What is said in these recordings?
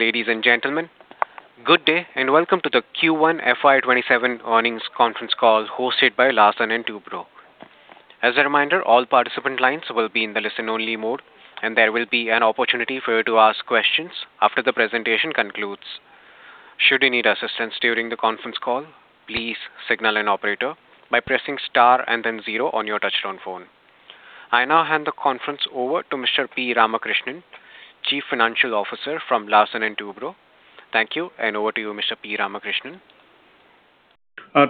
Ladies and gentlemen, good day and welcome to the Q1 FY 2027 earnings conference call hosted by Larsen & Toubro. As a reminder, all participant lines will be in the listen-only mode, and there will be an opportunity for you to ask questions after the presentation concludes. Should you need assistance during the conference call, please signal an operator by pressing star and then zero on your touchtone phone. I now hand the conference over to Mr. P. Ramakrishnan, Chief Financial Officer from Larsen & Toubro. Thank you, and over to you, Mr. P. Ramakrishnan.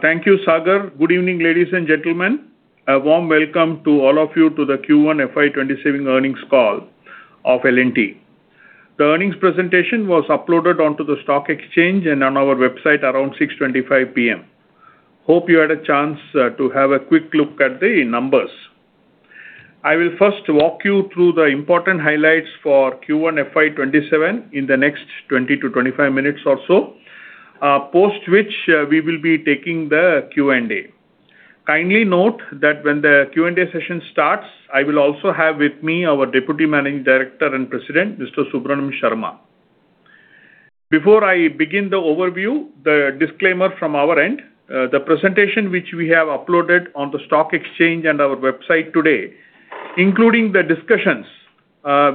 Thank you, Sagar. Good evening, ladies and gentlemen. A warm welcome to all of you to the Q1 FY 2027 earnings call of L&T. The earnings presentation was uploaded onto the stock exchange and on our website around 6:25 P.M. Hope you had a chance to have a quick look at the numbers. I will first walk you through the important highlights for Q1 FY 2027 in the next 20-25 minutes or so. Post which, we will be taking the Q&A. Kindly note that when the Q&A session starts, I will also have with me our Deputy Managing Director and President, Mr. Subramanian Sarma. Before I begin the overview, the disclaimer from our end, the presentation which we have uploaded on the stock exchange and our website today, including the discussions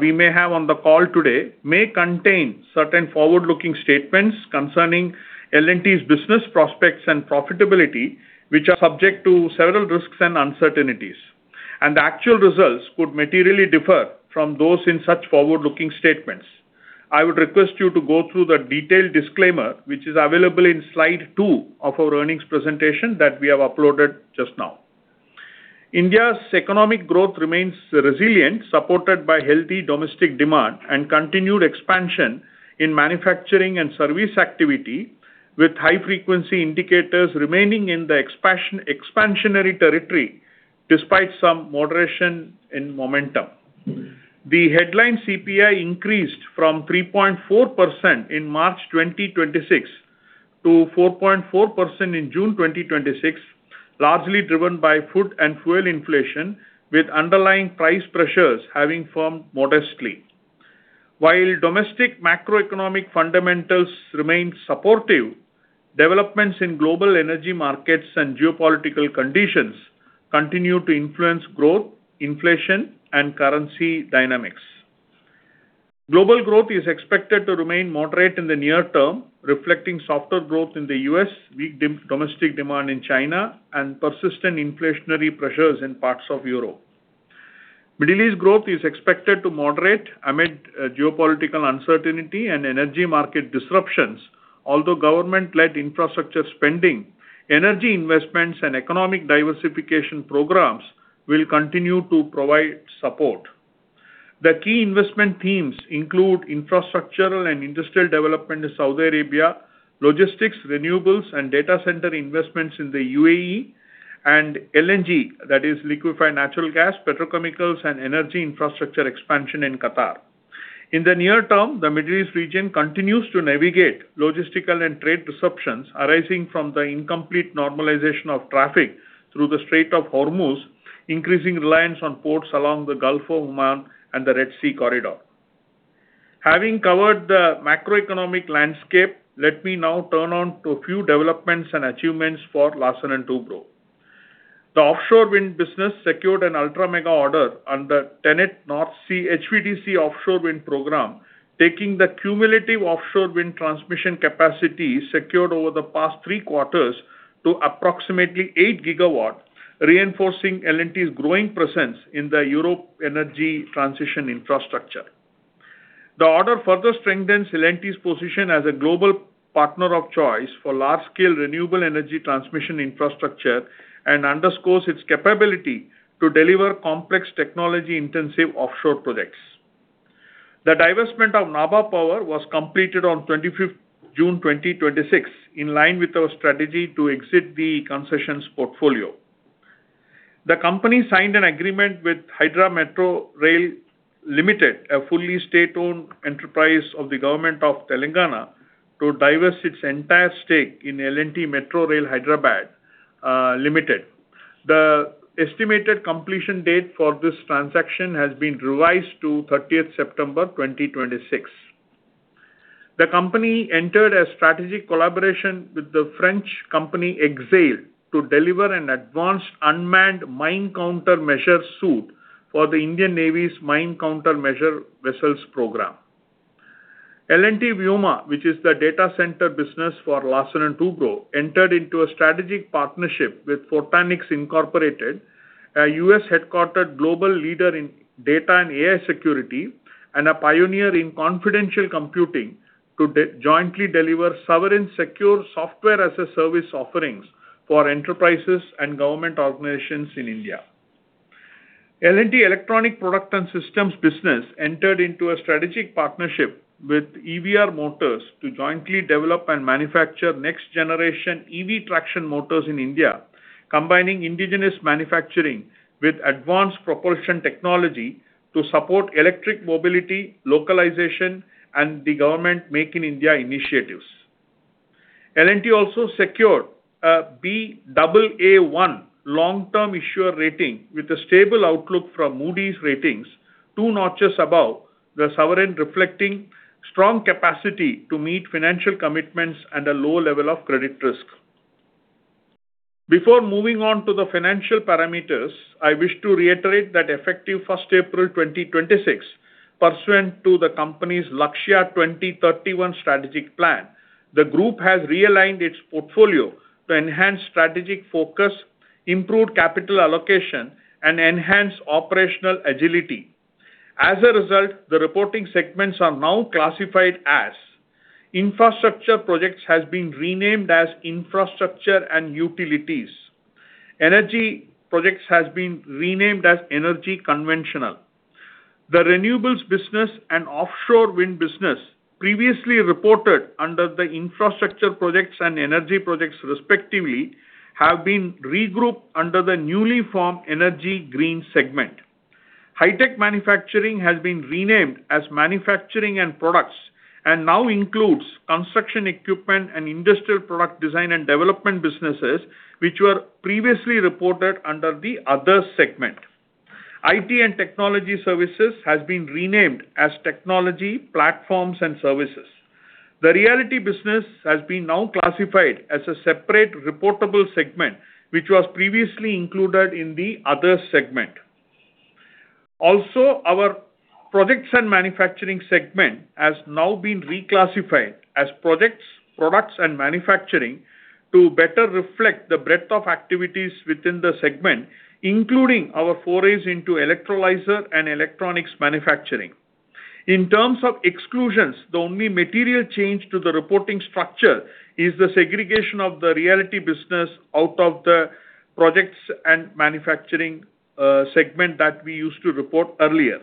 we may have on the call today, may contain certain forward-looking statements concerning L&T's business prospects and profitability, which are subject to several risks and uncertainties, and the actual results could materially differ from those in such forward-looking statements. I would request you to go through the detailed disclaimer, which is available in slide two of our earnings presentation that we have uploaded just now. India's economic growth remains resilient, supported by healthy domestic demand and continued expansion in manufacturing and service activity, with high-frequency indicators remaining in the expansionary territory despite some moderation in momentum. The headline CPI increased from 3.4% in March 2026 to 4.4% in June 2026, largely driven by food and fuel inflation, with underlying price pressures having firmed modestly. While domestic macroeconomic fundamentals remain supportive, developments in global energy markets and geopolitical conditions continue to influence growth, inflation, and currency dynamics. Global growth is expected to remain moderate in the near term, reflecting softer growth in the U.S., weak domestic demand in China, and persistent inflationary pressures in parts of Europe. Middle East growth is expected to moderate amid geopolitical uncertainty and energy market disruptions, although government-led infrastructure spending, energy investments, and economic diversification programs will continue to provide support. The key investment themes include infrastructural and industrial development in Saudi Arabia, logistics, renewables, and data center investments in the UAE, and LNG, that is liquefied natural gas, petrochemicals, and energy infrastructure expansion in Qatar. In the near term, the Middle East region continues to navigate logistical and trade disruptions arising from the incomplete normalization of traffic through the Strait of Hormuz, increasing reliance on ports along the Gulf of Oman and the Red Sea corridor. Having covered the macroeconomic landscape, let me now turn on to a few developments and achievements for Larsen & Toubro. The offshore wind business secured an ultra mega order under TenneT North Sea HVDC Offshore Wind program, taking the cumulative offshore wind transmission capacity secured over the past three quarters to approximately 8 GW, reinforcing L&T's growing presence in the Europe energy transition infrastructure. The order further strengthens L&T's position as a global partner of choice for large-scale renewable energy transmission infrastructure and underscores its capability to deliver complex technology-intensive offshore projects. The divestment of Nabha Power was completed on June 25th, 2026, in line with our strategy to exit the concessions portfolio. The company signed an agreement with Hyderabad Metro Rail Limited, a fully state-owned enterprise of the Government of Telangana, to divest its entire stake in L&T Metro Rail Hyderabad Limited. The estimated completion date for this transaction has been revised to September 30th, 2026. The company entered a strategic collaboration with the French company Exail to deliver an advanced unmanned mine countermeasure suit for the Indian Navy's Mine Countermeasure Vessels Program. L&T Vyoma, which is the data center business for Larsen & Toubro, entered into a strategic partnership with Fortanix Incorporated, a U.S.-headquartered global leader in data and AI security, and a pioneer in confidential computing, to jointly deliver sovereign secure software-as-a-service offerings for enterprises and government organizations in India. L&T Electronic Products & Systems business entered into a strategic partnership with EVR Motors to jointly develop and manufacture next-generation EV traction motors in India, combining indigenous manufacturing with advanced propulsion technology to support electric mobility, localization, and the government Make in India initiatives. L&T also secured a Baa1 Long-Term Issuer Rating with a stable outlook from Moody's Ratings, two notches above the sovereign, reflecting strong capacity to meet financial commitments and a low level of credit risk. Before moving on to the financial parameters, I wish to reiterate that effective April 1st, 2026, pursuant to the company's Lakshya 2031 Strategic Plan, the group has realigned its portfolio to enhance strategic focus, improve capital allocation, and enhance operational agility. The reporting segments are now classified as: Infrastructure Projects has been renamed as Infrastructure & Utilities. Energy Projects has been renamed as Energy – Conventional. The renewables business and offshore wind business previously reported under the Infrastructure Projects and Energy Projects respectively, have been regrouped under the newly formed Energy - Green Segment. Hi-Tech Manufacturing has been renamed as Manufacturing & Products and now includes construction equipment and industrial product design and development businesses, which were previously reported under the other segment. IT & Technology Services has been renamed as Technology, Platforms & Services. The realty business has been now classified as a separate reportable segment, which was previously included in the other segment. Our Projects and Manufacturing Segment has now been reclassified as Projects, Products and Manufacturing to better reflect the breadth of activities within the segment, including our forays into electrolyzer and electronics manufacturing. In terms of exclusions, the only material change to the reporting structure is the segregation of the realty business out of the projects and manufacturing segment that we used to report earlier.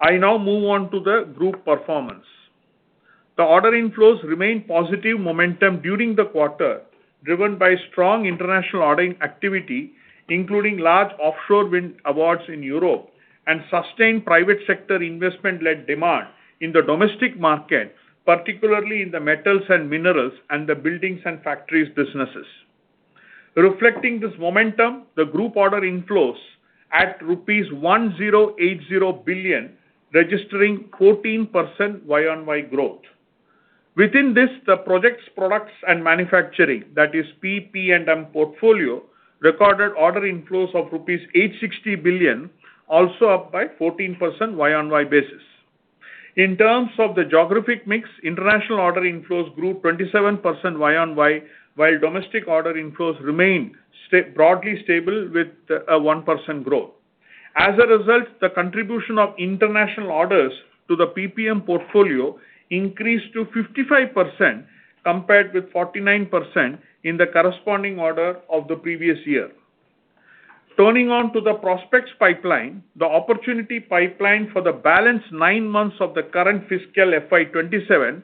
I now move on to the group performance. The order inflows remained positive momentum during the quarter, driven by strong international ordering activity, including large offshore wind awards in Europe and sustained private sector investment-led demand in the domestic market, particularly in the metals and minerals and the buildings and factories businesses. Reflecting this momentum, the group order inflows at rupees 1,080 billion, registering 14% Y-o-Y growth. Within this, the projects, products and manufacturing, that is PPM portfolio, recorded order inflows of rupees 860 billion, also up by 14% Y-o-Y basis. In terms of the geographic mix, international order inflows grew 27% Y-o-Y, while domestic order inflows remained broadly stable with a 1% growth. As a result, the contribution of international orders to the PPM portfolio increased to 55%, compared with 49% in the corresponding order of the previous year. Turning on to the prospects pipeline, the opportunity pipeline for the balance nine months of the current fiscal FY 2027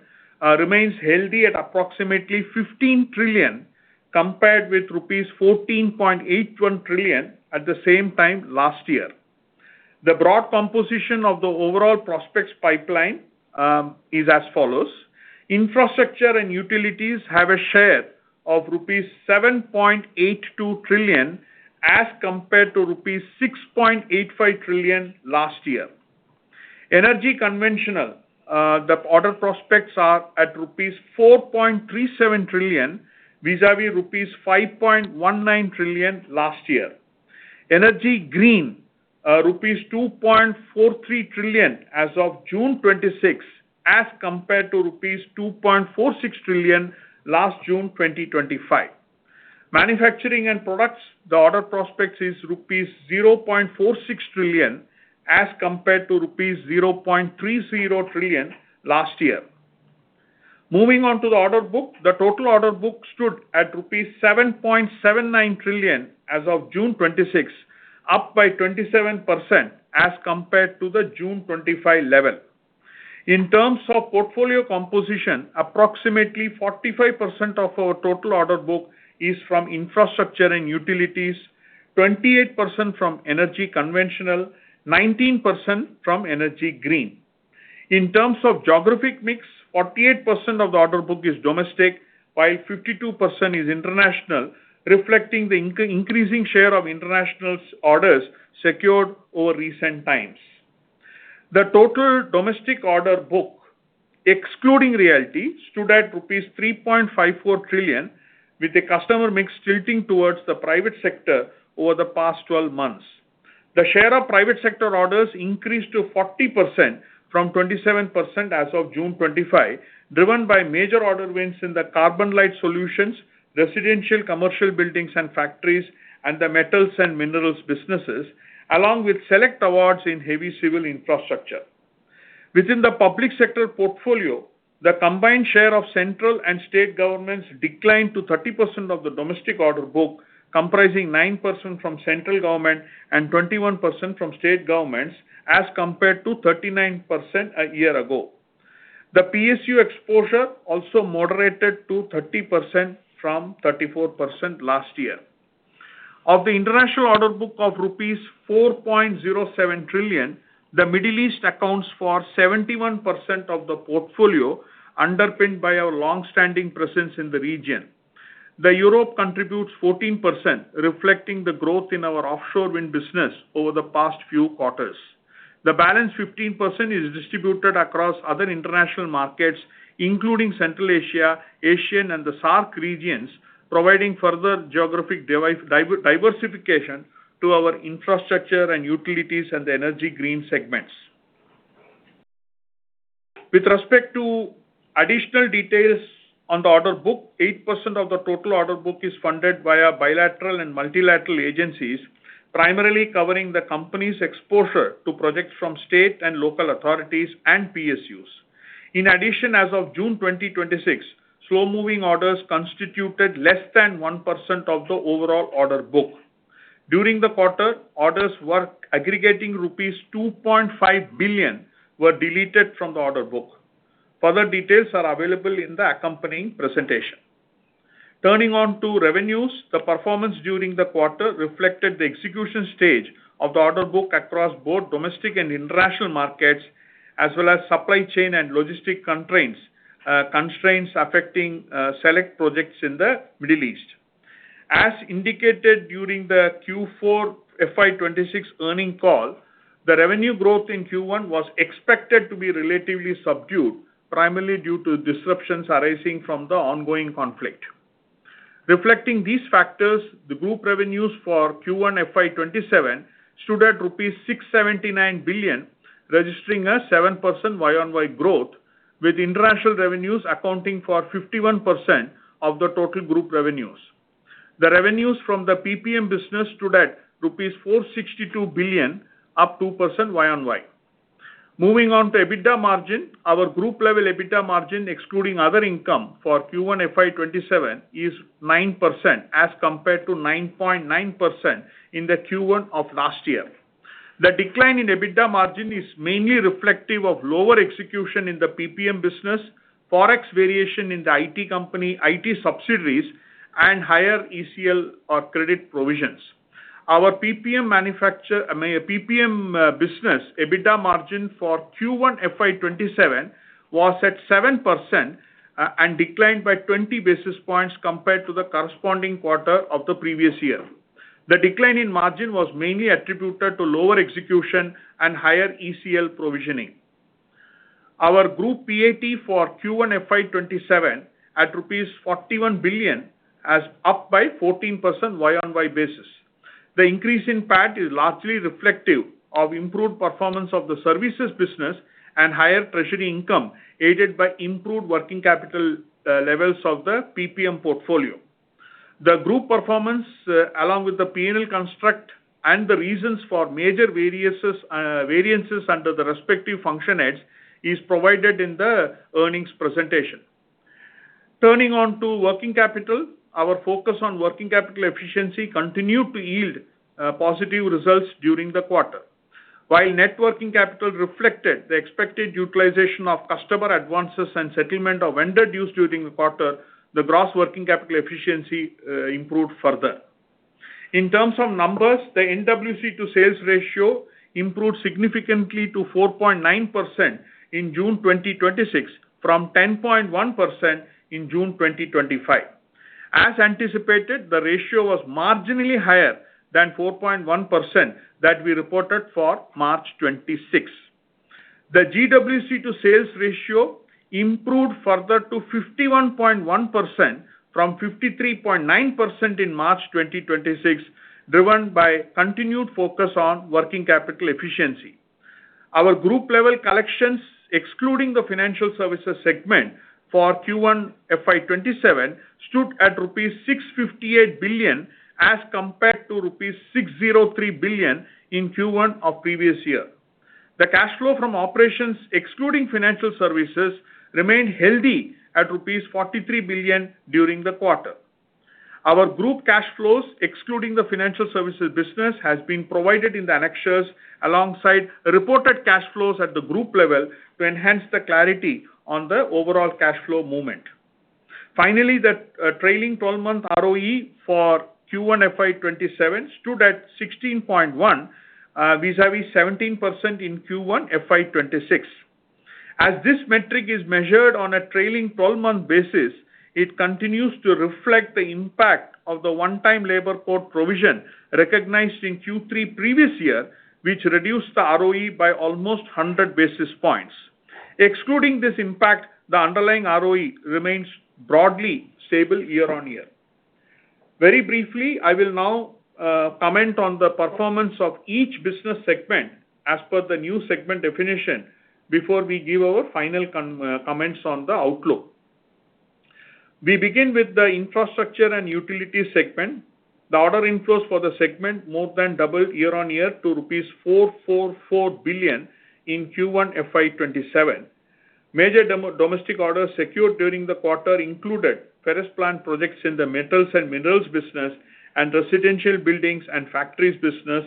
remains healthy at approximately 15 trillion, compared with rupees 14.81 trillion at the same time last year. The broad composition of the overall prospects pipeline is as follows. Infrastructure & Utilities have a share of rupees 7.82 trillion as compared to rupees 6.85 trillion last year. Energy – Conventional, the order prospects are at rupees 4.37 trillion vis-à-vis rupees 5.19 trillion last year. Energy - Green, rupees 2.43 trillion as of June 2026, as compared to rupees 2.46 trillion last June 2025. Manufacturing & Products, the order prospects is rupees 0.46 trillion as compared to rupees 0.30 trillion last year. Moving on to the order book. The total order book stood at rupees 7.79 trillion as of June 2026, up by 27% as compared to the June 2025 level. In terms of portfolio composition, approximately 45% of our total order book is from Infrastructure & Utilities, 28% from Energy – Conventional, 19% from Energy - Green. In terms of geographic mix, 48% of the order book is domestic, while 52% is international, reflecting the increasing share of international orders secured over recent times. The total domestic order book, excluding realty, stood at rupees 3.54 trillion, with the customer mix tilting towards the private sector over the past 12 months. The share of private sector orders increased to 40% from 27% as of June 2025, driven by major order wins in the carbon light solutions, residential commercial buildings and factories, and the metals and minerals businesses, along with select awards in heavy civil infrastructure. Within the public sector portfolio, the combined share of central and state governments declined to 30% of the domestic order book, comprising 9% from central government and 21% from state governments as compared to 39% a year ago. The PSU exposure also moderated to 30% from 34% last year. Of the international order book of rupees 4.07 trillion, the Middle East accounts for 71% of the portfolio, underpinned by our longstanding presence in the region. Europe contributes 14%, reflecting the growth in our offshore wind business over the past few quarters. The balance 15% is distributed across other international markets, including Central Asia, Asian, and the SAARC regions, providing further geographic diversification to our Infrastructure & Utilities and Energy - Green segments. With respect to additional details on the order book, 8% of the total order book is funded via bilateral and multilateral agencies, primarily covering the company's exposure to projects from state and local authorities and PSUs. In addition, as of June 2026, slow-moving orders constituted less than 1% of the overall order book. During the quarter, orders worth aggregating rupees 2.5 billion were deleted from the order book. Further details are available in the accompanying presentation. Turning on to revenues. The performance during the quarter reflected the execution stage of the order book across both domestic and international markets, as well as supply chain and logistic constraints affecting select projects in the Middle East. As indicated during the Q4 FY 2026 earning call, the revenue growth in Q1 was expected to be relatively subdued, primarily due to disruptions arising from the ongoing conflict. Reflecting these factors, the group revenues for Q1 FY 2027 stood at rupees 679 billion, registering a 7% Y-o-Y growth, with international revenues accounting for 51% of the total group revenues. The revenues from the PPM business stood at rupees 462 billion, up 2% Y-o-Y. Moving on to EBITDA margin. Our group level EBITDA margin, excluding other income for Q1 FY 2027, is 9% as compared to 9.9% in the Q1 of last year. The decline in EBITDA margin is mainly reflective of lower execution in the PPM business, Forex variation in the IT subsidiaries, and higher ECL or credit provisions. Our PPM business EBITDA margin for Q1 FY 2027 was at 7% and declined by 20 basis points compared to the corresponding quarter of the previous year. The decline in margin was mainly attributed to lower execution and higher ECL provisioning. Our group PAT for Q1 FY 2027 at rupees 41 billion as up by 14% Y-o-Y basis. The increase in PAT is largely reflective of improved performance of the services business and higher treasury income, aided by improved working capital levels of the PPM portfolio. The group performance, along with the P&L construct and the reasons for major variances under the respective function heads, is provided in the earnings presentation. Turning on to working capital. Our focus on working capital efficiency continued to yield positive results during the quarter. While net working capital reflected the expected utilization of customer advances and settlement of vendor dues during the quarter, the gross working capital efficiency improved further. In terms of numbers, the NWC to sales ratio improved significantly to 4.9% in June 2026 from 10.1% in June 2025. As anticipated, the ratio was marginally higher than 4.1% that we reported for March 2026. The GWC to sales ratio improved further to 51.1%, from 53.9% in March 2026, driven by continued focus on working capital efficiency. Our group level collections, excluding the financial services segment for Q1 FY 2027, stood at rupees 658 billion as compared to rupees 603 billion in Q1 of previous year. The cash flow from operations, excluding financial services, remained healthy at rupees 43 billion during the quarter. Our group cash flows, excluding the financial services business, have been provided in the annexures alongside reported cash flows at the group level to enhance the clarity on the overall cash flow movement. Finally, the trailing 12-month ROE for Q1 FY 2027 stood at 16.1%, vis-à-vis 17% in Q1 FY 2026. As this metric is measured on a trailing 12-month basis, it continues to reflect the impact of the one-time labor court provision recognized in Q3 previous year, which reduced the ROE by almost 100 basis points. Excluding this impact, the underlying ROE remains broadly stable year-on-year. Very briefly, I will now comment on the performance of each business segment as per the new segment definition before we give our final comments on the outlook. We begin with the Infrastructure & Utilities segment. The order inflows for the segment more than doubled year-on-year to rupees 444 billion in Q1 FY 2027. Major domestic orders secured during the quarter included Ferrous Plant projects in the Metals and Minerals business and Residential Buildings and Factories business.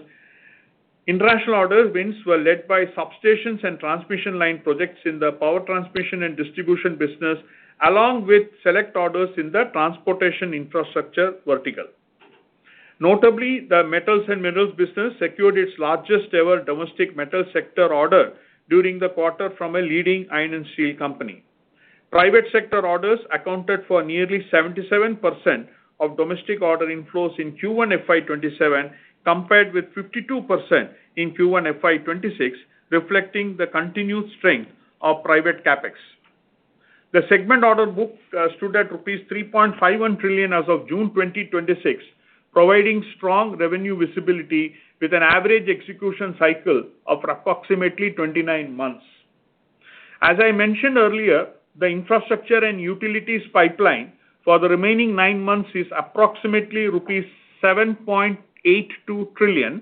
International order wins were led by substations and transmission line projects in the Power Transmission and Distribution business, along with select orders in the Transportation Infrastructure vertical. Notably, the Metals and Minerals business secured its largest-ever domestic metal sector order during the quarter from a leading iron and steel company. Private sector orders accounted for nearly 77% of domestic order inflows in Q1 FY 2027, compared with 52% in Q1 FY 2026, reflecting the continued strength of private CapEx. The segment order book stood at rupees 3.51 trillion as of June 2026, providing strong revenue visibility with an average execution cycle of approximately 29 months. As I mentioned earlier, the Infrastructure & Utilities pipeline for the remaining nine months is approximately rupees 7.82 trillion.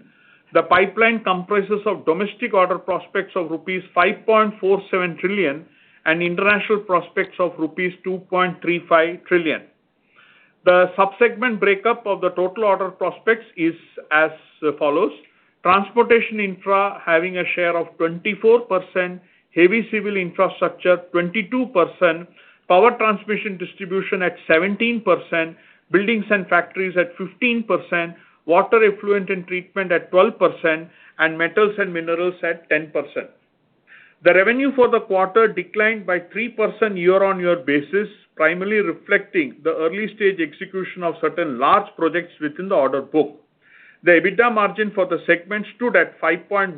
The pipeline comprises of domestic order prospects of rupees 7.47 trillion and international prospects of rupees 2.35 trillion. The sub-segment breakup of the total order prospects is as follows: Transportation Infra having a share of 24%, Heavy Civil Infrastructure 22%, Power Transmission Distribution at 17%, Buildings and Factories at 15%, Water Effluent and Treatment at 12%, and Metals and Minerals at 10%. The revenue for the quarter declined by 3% year-on-year basis, primarily reflecting the early-stage execution of certain large projects within the order book. The EBITDA margin for the segment stood at 5.1%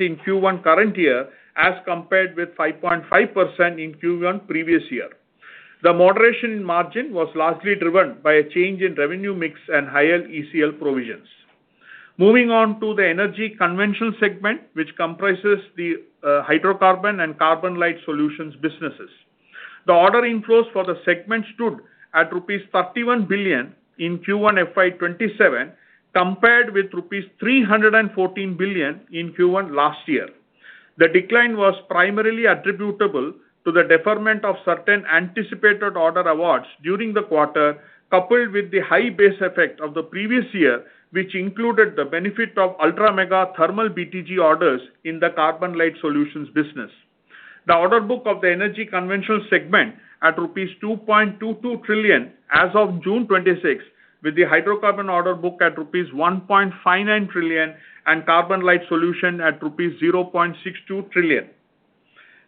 in Q1 current year, as compared with 5.5% in Q1 previous year. The moderation margin was largely driven by a change in revenue mix and higher ECL provisions. Moving on to the Energy – Conventional segment, which comprises the Hydrocarbon and Carbon Light Solutions businesses. The order inflows for the segment stood at rupees 31 billion in Q1 FY 2027, compared with rupees 314 billion in Q1 last year. The decline was primarily attributable to the deferment of certain anticipated order awards during the quarter, coupled with the high base effect of the previous year, which included the benefit of ultra-mega thermal BTG orders in the Carbon Light Solutions business. The order book of the Energy – Conventional segment at rupees 2.22 trillion as of June 2026, with the Hydrocarbon order book at rupees 1.59 trillion and Carbon Light Solutions at rupees 0.62 trillion.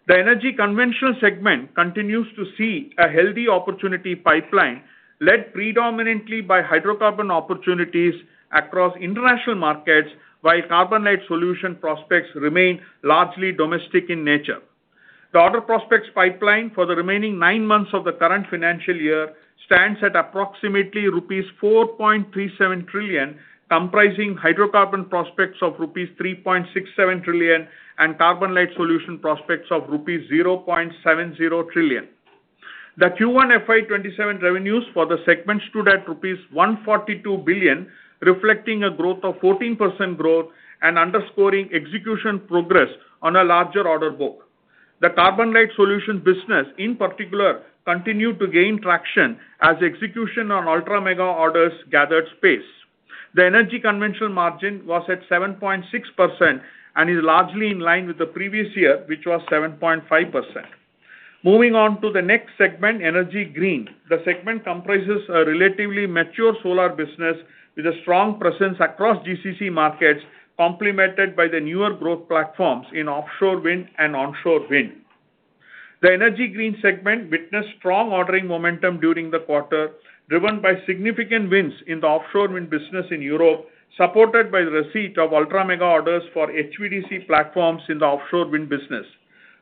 The Energy – Conventional segment continues to see a healthy opportunity pipeline, led predominantly by Hydrocarbon opportunities across international markets, while Carbon Light Solutions prospects remain largely domestic in nature. The order prospects pipeline for the remaining nine months of the current financial year stands at approximately rupees 4.37 trillion, comprising hydrocarbon prospects of rupees 3.67 trillion and carbon light solution prospects of rupees 0.70 trillion. The Q1 FY 2027 revenues for the segment stood at rupees 142 billion, reflecting a growth of 14% and underscoring execution progress on a larger order book. The carbon light solution business, in particular, continued to gain traction as execution on ultra-mega orders gathered pace. The Energy – Conventional margin was at 7.6% and is largely in line with the previous year, which was 7.5%. Moving on to the next segment, Energy - Green. The segment comprises a relatively mature solar business with a strong presence across GCC markets, complemented by the newer growth platforms in offshore wind and onshore wind. The Energy - Green segment witnessed strong ordering momentum during the quarter, driven by significant wins in the offshore wind business in Europe, supported by the receipt of ultra-mega orders for HVDC platforms in the offshore wind business.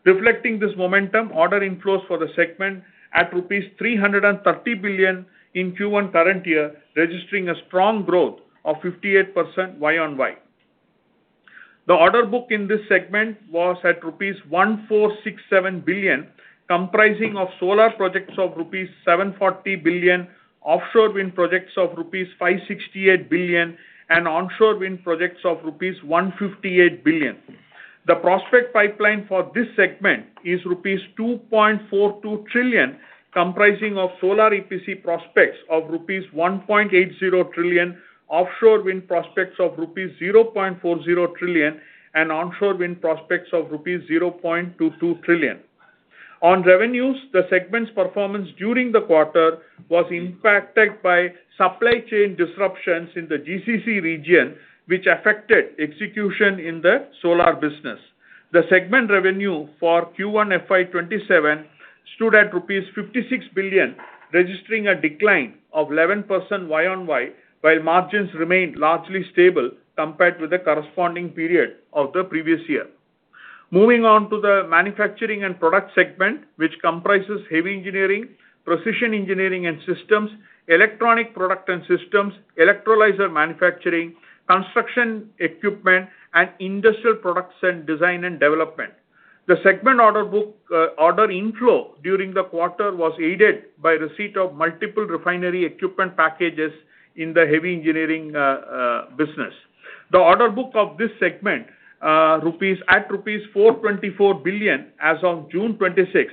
Reflecting this momentum, order inflows for the segment at rupees 330 billion in Q1 current year, registering a strong growth of 58% Y-o-Y. The order book in this segment was at rupees 1,467 billion, comprising of solar projects of rupees 740 billion, offshore wind projects of rupees 568 billion, and onshore wind projects of rupees 158 billion. The prospect pipeline for this segment is rupees 2.42 trillion, comprising of solar EPC prospects of rupees 1.80 trillion, offshore wind prospects of rupees 0.40 trillion, and onshore wind prospects of rupees 0.22 trillion. On revenues, the segment's performance during the quarter was impacted by supply chain disruptions in the GCC region, which affected execution in the solar business. The segment revenue for Q1 FY 2027 stood at rupees 56 billion, registering a decline of 11% Y-o-Y, while margins remained largely stable compared with the corresponding period of the previous year. Moving on to the Manufacturing & Products segment, which comprises heavy engineering, Precision Engineering and Systems, Electronic Products & Systems, electrolyzer manufacturing, construction equipment, and industrial products and design and development. The segment order book order inflow during the quarter was aided by receipt of multiple refinery equipment packages in the heavy engineering business. The order book of this segment at rupees 424 billion as of June 26.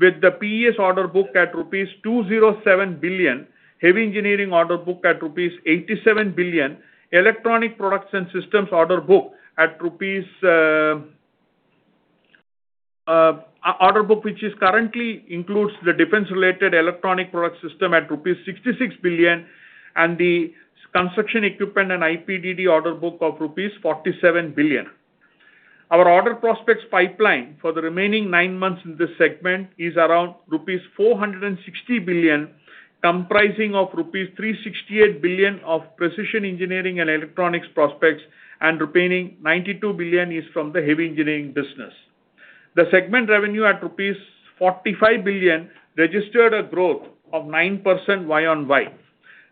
With the PES order book at rupees 207 billion, heavy engineering order book at rupees 87 billion, Electronic Products & Systems order book, which currently includes the defense-related electronic product system at rupees 66 billion, and the construction equipment and IPDD order book of rupees 47 billion. Our order prospects pipeline for the remaining nine months in this segment is around rupees 460 billion, comprising of rupees 368 billion of precision engineering and electronics prospects, and remaining 92 billion is from the heavy engineering business. The segment revenue at rupees 45 billion registered a growth of 9% Y-o-Y.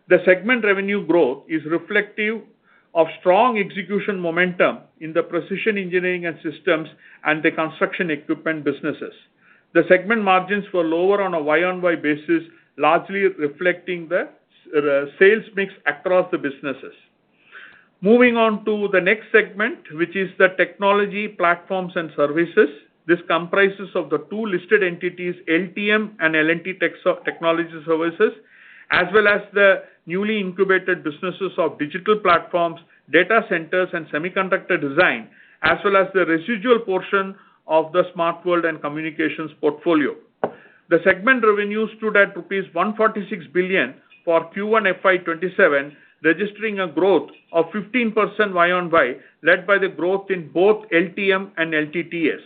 The segment revenue growth is reflective of strong execution momentum in the Precision Engineering and Systems and the construction equipment businesses. The segment margins were lower on a Y-o-Y basis, largely reflecting the sales mix across the businesses. Moving on to the next segment, which is the Technology, Platforms & Services. This comprises of the two listed entities, LTM and L&T Technology Services, as well as the newly incubated businesses of digital platforms, data centers, and semiconductor design, as well as the residual portion of the smart world and communications portfolio. The segment revenue stood at INR 146 billion for Q1 FY 2027, registering a growth of 15% Y-o-Y, led by the growth in both LTM and LTTS.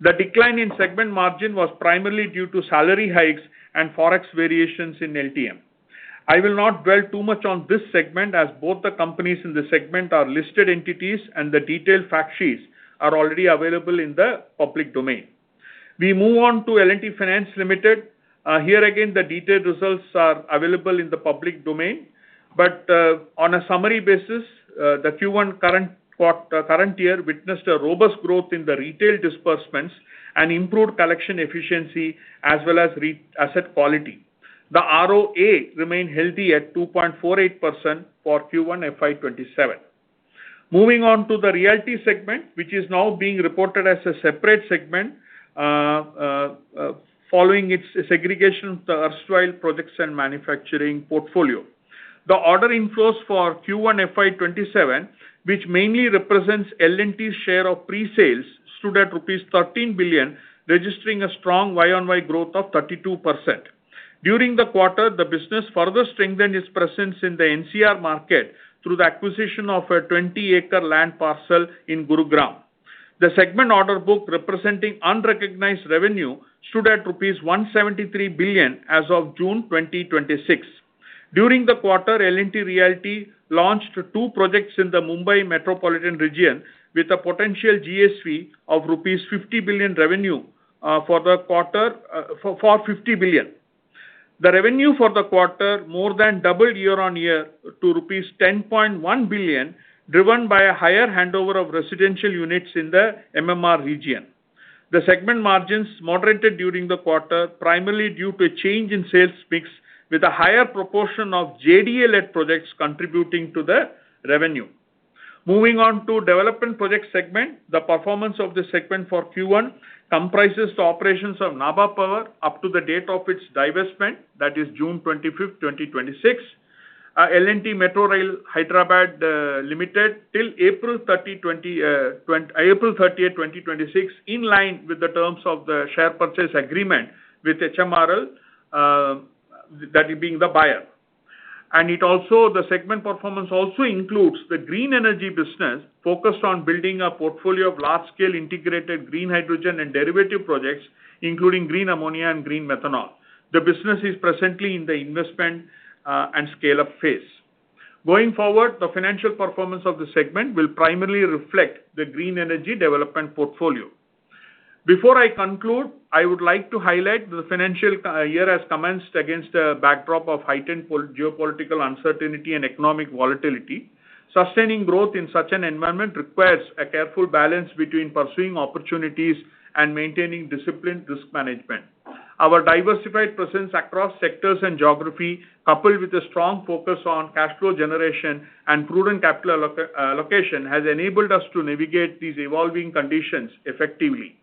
The decline in segment margin was primarily due to salary hikes and Forex variations in LTM. I will not dwell too much on this segment as both the companies in the segment are listed entities and the detailed fact sheets are already available in the public domain. We move on to L&T Finance Limited. Here again, the detailed results are available in the public domain. On a summary basis, the Q1 current year witnessed a robust growth in the retail disbursements and improved collection efficiency as well as asset quality. The ROA remained healthy at 2.48% for Q1 FY 2027. Moving on to the realty segment, which is now being reported as a separate segment following its segregation of the erstwhile projects and manufacturing portfolio. The order inflows for Q1 FY 2027, which mainly represents L&T's share of pre-sales, stood at INR 13 billion, registering a strong Y-o-Y growth of 32%. During the quarter, the business further strengthened its presence in the NCR market through the acquisition of a 20-acre land parcel in Gurugram. The segment order book representing unrecognized revenue stood at rupees 173 billion as of June 2026. During the quarter, L&T Realty launched two projects in the Mumbai metropolitan region with a potential GSV of 50 billion. The revenue for the quarter more than doubled Y-o-Y to rupees 10.1 billion, driven by a higher handover of residential units in the MMR region. The segment margins moderated during the quarter, primarily due to a change in sales mix with a higher proportion of JDA-led projects contributing to the revenue. Moving on to development project segment. The performance of the segment for Q1 comprises the operations of Nabha Power up to the date of its divestment, that is June 25th, 2026. L&T Metro Rail Hyderabad Limited till April 30th, 2026, in line with the terms of the share purchase agreement with HMRL, that being the buyer. The segment performance also includes the Energy - Green business focused on building a portfolio of large-scale integrated green hydrogen and derivative projects, including green ammonia and green methanol. The business is presently in the investment and scale-up phase. Going forward, the financial performance of the segment will primarily reflect the Energy - Green development portfolio. Before I conclude, I would like to highlight the financial year has commenced against a backdrop of heightened geopolitical uncertainty and economic volatility. Sustaining growth in such an environment requires a careful balance between pursuing opportunities and maintaining disciplined risk management. Our diversified presence across sectors and geography, coupled with a strong focus on cash flow generation and prudent capital allocation, has enabled us to navigate these evolving conditions effectively.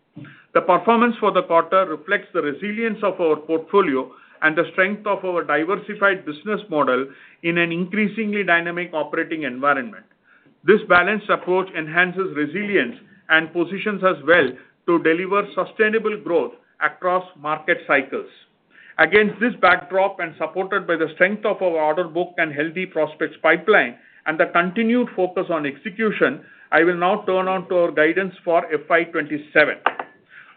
The performance for the quarter reflects the resilience of our portfolio and the strength of our diversified business model in an increasingly dynamic operating environment. This balanced approach enhances resilience and positions us well to deliver sustainable growth across market cycles. Against this backdrop and supported by the strength of our order book and healthy prospects pipeline and the continued focus on execution, I will now turn on to our guidance for FY 2027.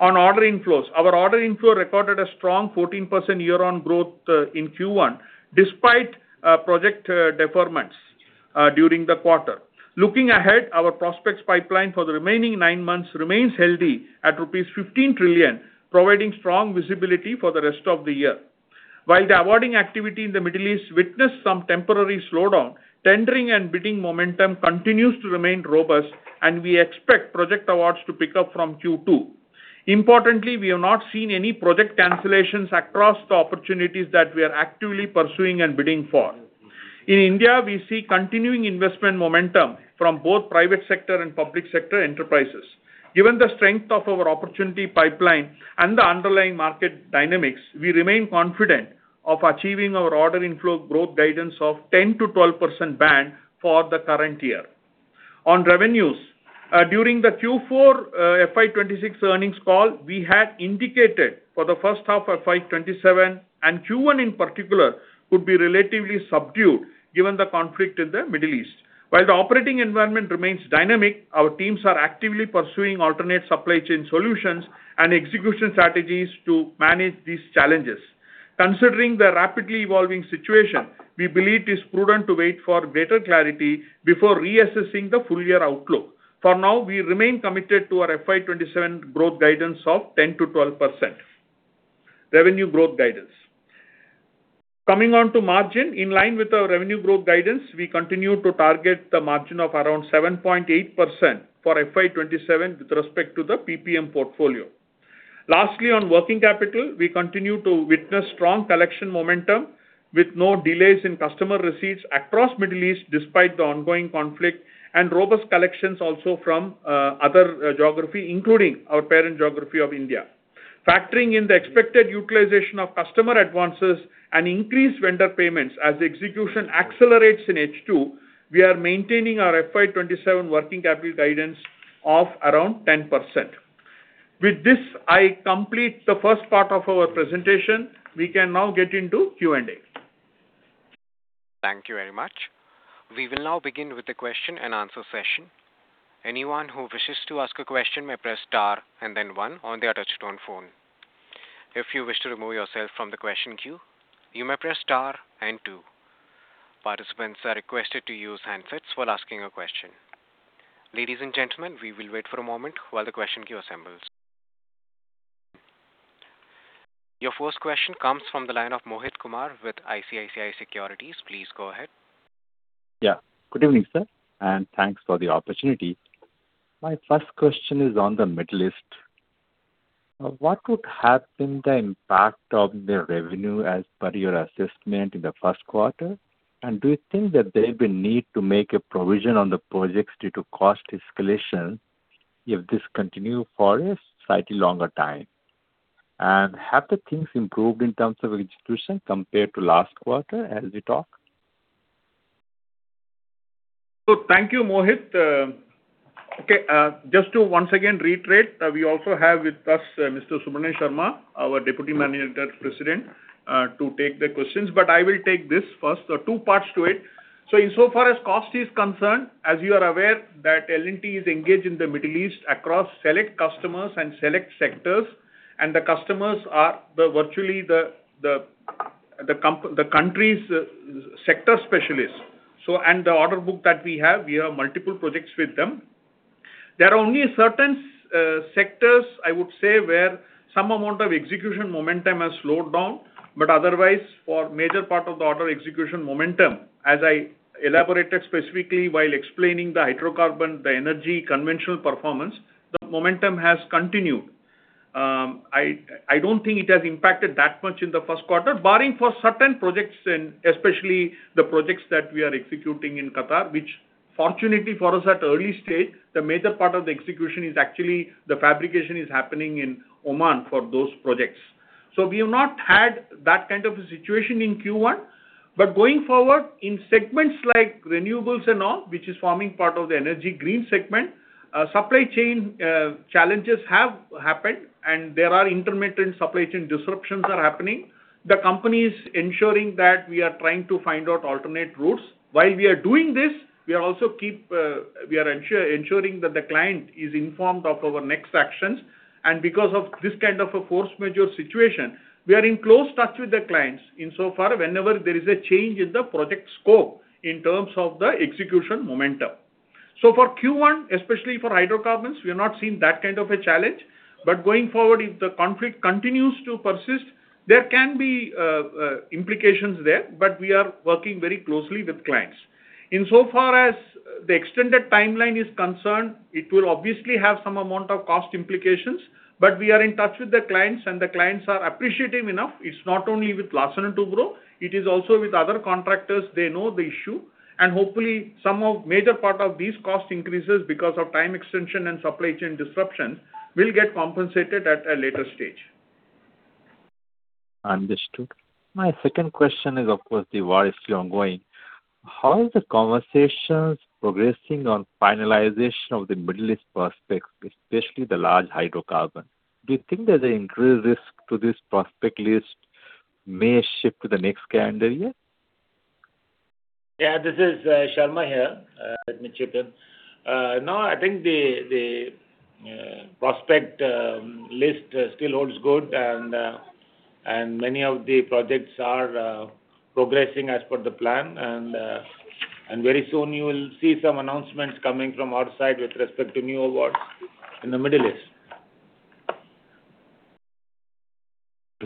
On order inflows. Our order inflow recorded a strong 14% year-on growth in Q1, despite project deferments during the quarter. Looking ahead, our prospects pipeline for the remaining nine months remains healthy at rupees 15 trillion, providing strong visibility for the rest of the year. While the awarding activity in the Middle East witnessed some temporary slowdown, tendering and bidding momentum continues to remain robust, and we expect project awards to pick up from Q2. Importantly, we have not seen any project cancellations across the opportunities that we are actively pursuing and bidding for. In India, we see continuing investment momentum from both private sector and public sector enterprises. Given the strength of our opportunity pipeline and the underlying market dynamics, we remain confident of achieving our order inflow growth guidance of 10%-12% band for the current year. On revenues, during the Q4 FY 2026 earnings call, we had indicated for the first half of FY 2027, and Q1 in particular, would be relatively subdued given the conflict in the Middle East. While the operating environment remains dynamic, our teams are actively pursuing alternate supply chain solutions and execution strategies to manage these challenges. Considering the rapidly evolving situation, we believe it is prudent to wait for greater clarity before reassessing the full-year outlook. For now, we remain committed to our FY 2027 growth guidance of 10%-12%. Revenue growth guidance. Coming on to margin, in line with our revenue growth guidance, we continue to target the margin of around 7.8% for FY 2027 with respect to the PPM portfolio. Lastly, on working capital, we continue to witness strong collection momentum with no delays in customer receipts across Middle East, despite the ongoing conflict, and robust collections also from other geography, including our parent geography of India. Factoring in the expected utilization of customer advances and increased vendor payments as execution accelerates in H2, we are maintaining our FY 2027 working capital guidance of around 10%. With this, I complete the first part of our presentation. We can now get into Q&A. Thank you very much. We will now begin with the question-and-answer session. Anyone who wishes to ask a question may press star and then one on their touch-tone phone. If you wish to remove yourself from the question queue, you may press star and two. Participants are requested to use handsets while asking a question. Ladies and gentlemen, we will wait for a moment while the question queue assembles. Your first question comes from the line of Mohit Kumar with ICICI Securities. Please go ahead. Yeah. Good evening, sir, and thanks for the opportunity. My first question is on the Middle East. What could have been the impact of the revenue as per your assessment in the first quarter, and do you think that there will be a need to make a provision on the projects due to cost escalation if this continue for a slightly longer time? Have the things improved in terms of execution compared to last quarter as we talk? Thank you, Mohit. Okay. Just to once again reiterate, we also have with us Mr. Subramanian Sarma, our Deputy Managing Director and President, to take the questions. I will take this first. Two parts to it. Insofar as cost is concerned, as you are aware, that L&T is engaged in the Middle East across select customers and select sectors, and the customers are virtually the country's sector specialists. The order book that we have, we have multiple projects with them. There are only certain sectors, I would say, where some amount of execution momentum has slowed down, but otherwise, for major part of the order execution momentum, as I elaborated specifically while explaining the hydrocarbon, the Energy – Conventional performance, the momentum has continued. I don't think it has impacted that much in the first quarter, barring for certain projects and especially the projects that we are executing in Qatar, which fortunately for us at early stage, the major part of the execution is actually the fabrication is happening in Oman for those projects. We have not had that kind of a situation in Q1. Going forward, in segments like renewables and all, which is forming part of the Energy - Green segment, supply chain challenges have happened, and there are intermittent supply chain disruptions are happening. The company is ensuring that we are trying to find out alternate routes. While we are doing this, we are ensuring that the client is informed of our next actions. Because of this kind of a force majeure situation, we are in close touch with the clients insofar whenever there is a change in the project scope in terms of the execution momentum. For Q1, especially for hydrocarbons, we have not seen that kind of a challenge. Going forward, if the conflict continues to persist, there can be implications there, but we are working very closely with clients. Insofar as the extended timeline is concerned, it will obviously have some amount of cost implications. We are in touch with the clients, and the clients are appreciative enough. It's not only with Larsen & Toubro, it is also with other contractors. They know the issue, and hopefully some of major part of these cost increases because of time extension and supply chain disruptions will get compensated at a later stage. Understood. My second question is, of course, the war is still ongoing. How is the conversations progressing on finalization of the Middle East prospects, especially the large hydrocarbon? Do you think there is an increased risk to this prospect list may shift to the next calendar year? Yeah, this is Sarma here. Let me chip in. I think the prospect list still holds good, and many of the projects are progressing as per the plan, and very soon you will see some announcements coming from our side with respect to new awards in the Middle East.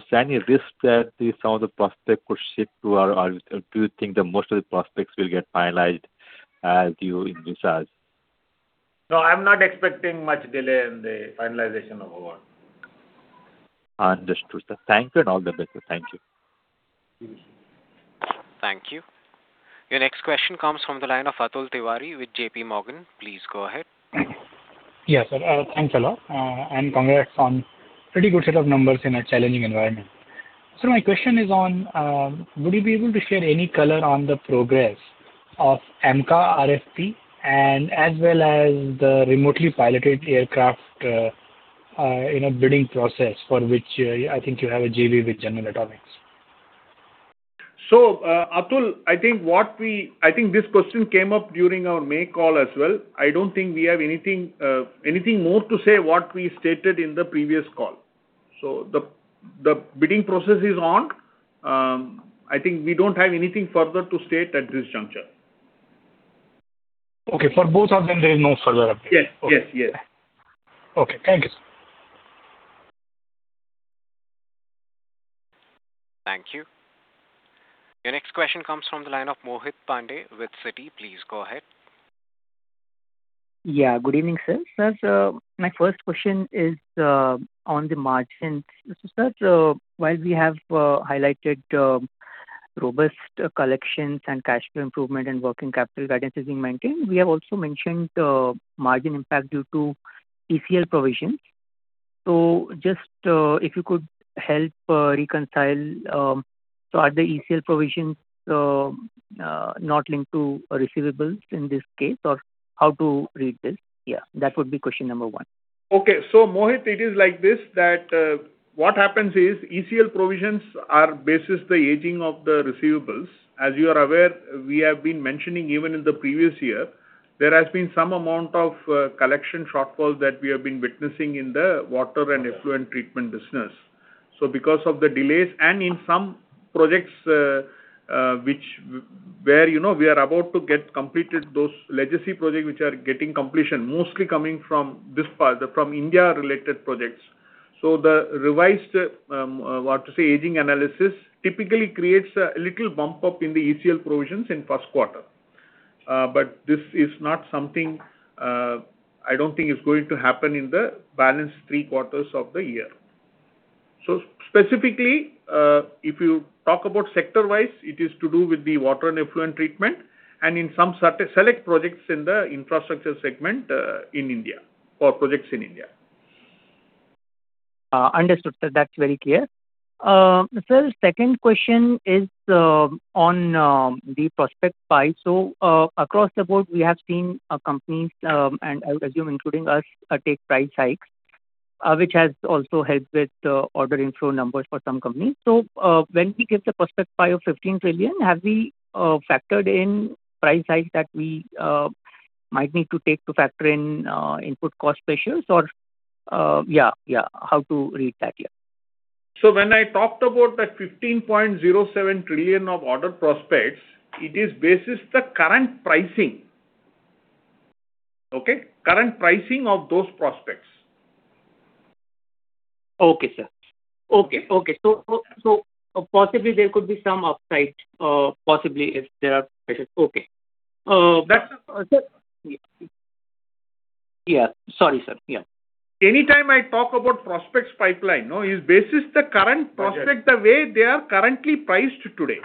Is there any risk that some of the prospects could shift, or do you think that most of the prospects will get finalized as due in research? I am not expecting much delay in the finalization of award. Understood, sir. Thank you and all the best. Thank you. Thank you. Your next question comes from the line of Atul Tiwari with JPMorgan. Please go ahead. Yes, sir. Thanks a lot. Congrats on pretty good set of numbers in a challenging environment. Sir, my question is on, would you be able to share any color on the progress of AMCA RFP and as well as the remotely piloted aircraft bidding process for which I think you have a JV with General Atomics. Atul, I think this question came up during our May call as well. I don't think we have anything more to say what we stated in the previous call. The bidding process is on. I think we don't have anything further to state at this juncture. Okay. For both of them, there is no further update. Yes. Okay. Thank you, sir. Thank you. Your next question comes from the line of Mohit Pandey with Citi. Please go ahead. Good evening, sir. Sir, my first question is on the margins. Sir, while we have highlighted robust collections and cash flow improvement and working capital guidance is being maintained, we have also mentioned margin impact due to ECL provisions. Just if you could help reconcile, so are the ECL provisions not linked to receivables in this case, or how to read this? That would be question number one. Mohit, it is like this, that what happens is ECL provisions are basis the aging of the receivables. As you are aware, we have been mentioning even in the previous year, there has been some amount of collection shortfall that we have been witnessing in the water and effluent treatment business. Because of the delays, and in some projects where we are about to get completed those legacy projects which are getting completion, mostly coming from this part, from India-related projects. The revised aging analysis typically creates a little bump up in the ECL provisions in first quarter. This is not something, I don't think is going to happen in the balance three quarters of the year. Specifically, if you talk about sector-wise, it is to do with the water and effluent treatment and in some select projects in the Infrastructure & Utilities segment in India, or projects in India. Understood, sir. That's very clear. Sir, second question is on the prospect pipe. Across the board, we have seen companies, and I would assume including us, take price hikes, which has also helped with the order inflow numbers for some companies. When we give the prospect pipe of 15 trillion, have we factored in price hikes that we might need to take to factor in input cost pressures? Or how to read that? When I talked about that 15.07 trillion of order prospects, it is basis the current pricing. Okay. Current pricing of those prospects. Okay, sir. Possibly there could be some upside, possibly if there are pressures. Okay. Sir. Yeah. Sorry, sir. Yeah. Anytime I talk about prospects pipeline, is basis the current prospect the way they are currently priced today.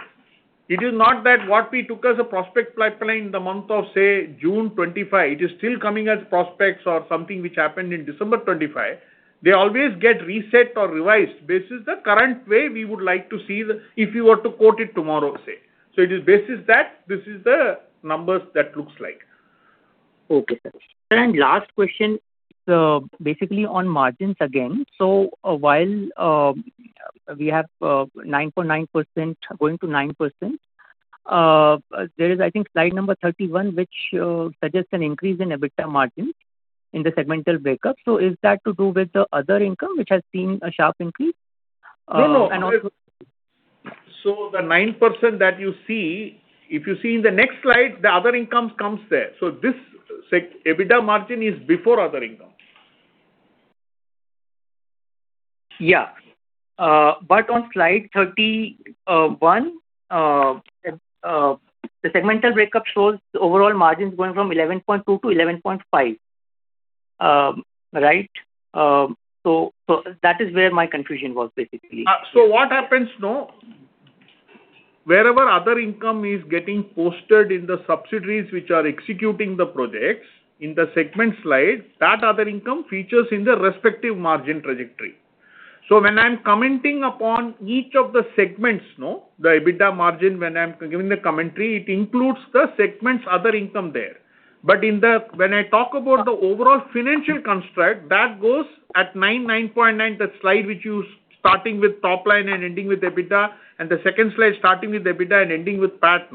It is not that what we took as a prospect pipeline in the month of, say, June 2025, it is still coming as prospects or something which happened in December 2025. They always get reset or revised. This is the current way we would like to see if you were to quote it tomorrow, say. It is basis that this is the numbers that looks like. Okay, sir. Sir, last question, basically on margins again. While we have 9.9% going to 9%, there is, I think, slide number 31, which suggests an increase in EBITDA margin in the segmental breakup. Is that to do with the other income, which has seen a sharp increase? No. The 9% that you see, if you see in the next slide, the other income comes there. This EBITDA margin is before other income. On slide 31, the segmental breakup shows overall margins going from 11.2%-11.5%. Right? That is where my confusion was basically. What happens, wherever other income is getting posted in the subsidiaries which are executing the projects in the segment slide, that other income features in the respective margin trajectory. When I am commenting upon each of the segments, the EBITDA margin, when I am giving the commentary, it includes the segment's other income there. When I talk about the overall financial construct, that goes at 9%, 9.9%, the slide which you are starting with top line and ending with EBITDA, and the second slide starting with EBITDA and ending with PAT.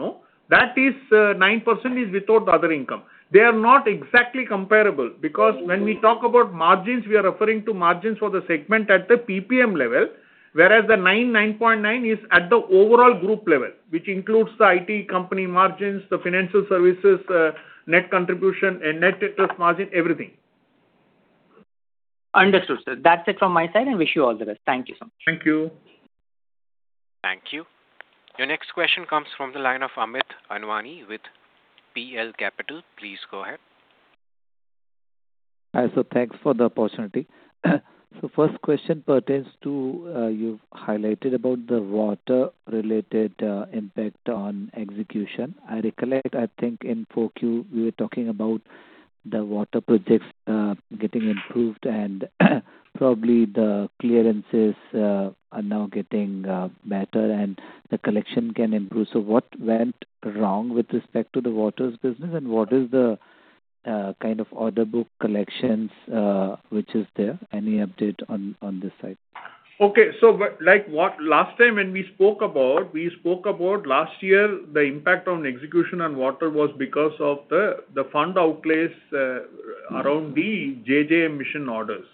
That is 9% is without the other income. They are not exactly comparable because when we talk about margins, we are referring to margins for the segment at the PPM level, whereas the 9%, 9.9% is at the overall group level, which includes the IT company margins, the financial services, net contribution, and net interest margin, everything. Understood, sir. That's it from my side, and wish you all the best. Thank you so much. Thank you. Thank you. Your next question comes from the line of Amit Anwani with PL Capital. Please go ahead. Hi, sir. Thanks for the opportunity. First question pertains to, you've highlighted about the water-related impact on execution. I recollect, I think in 4Q, we were talking about the water projects getting improved and probably the clearances are now getting better and the collection can improve. What went wrong with respect to the waters business and what is the kind of order book collections which is there? Any update on this side? Okay. Last time when we spoke about, we spoke about last year, the impact on execution on water was because of the fund outlays around the JJ Mission orders.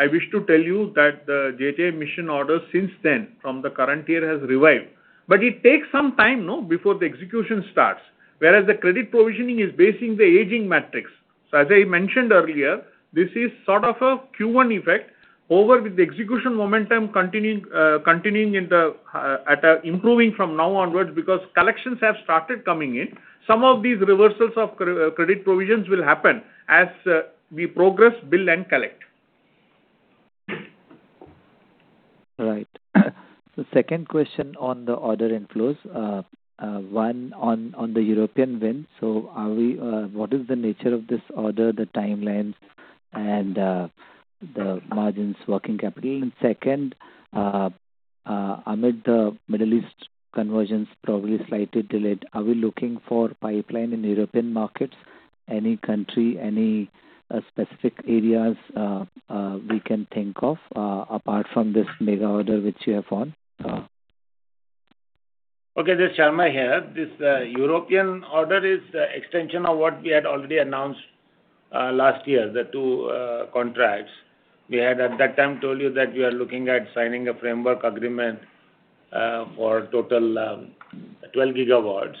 I wish to tell you that the JJ Mission orders since then, from the current year, has revived. It takes some time, no? Before the execution starts. Whereas the credit provisioning is basing the aging matrix. As I mentioned earlier, this is sort of a Q1 effect over with the execution momentum continuing and improving from now onwards because collections have started coming in. Some of these reversals of credit provisions will happen as we progress, bill and collect. Right. The second question on the order inflows. One, on the European wind. What is the nature of this order, the timelines and the margins working capital? Second, amid the Middle East conversions probably slightly delayed. Are we looking for pipeline in European markets? Any country? Any specific areas we can think of apart from this mega order which you have won? Okay. This is Sarma here. This European order is extension of what we had already announced last year, the two contracts. We had at that time told you that we are looking at signing a framework agreement for total 12 GW.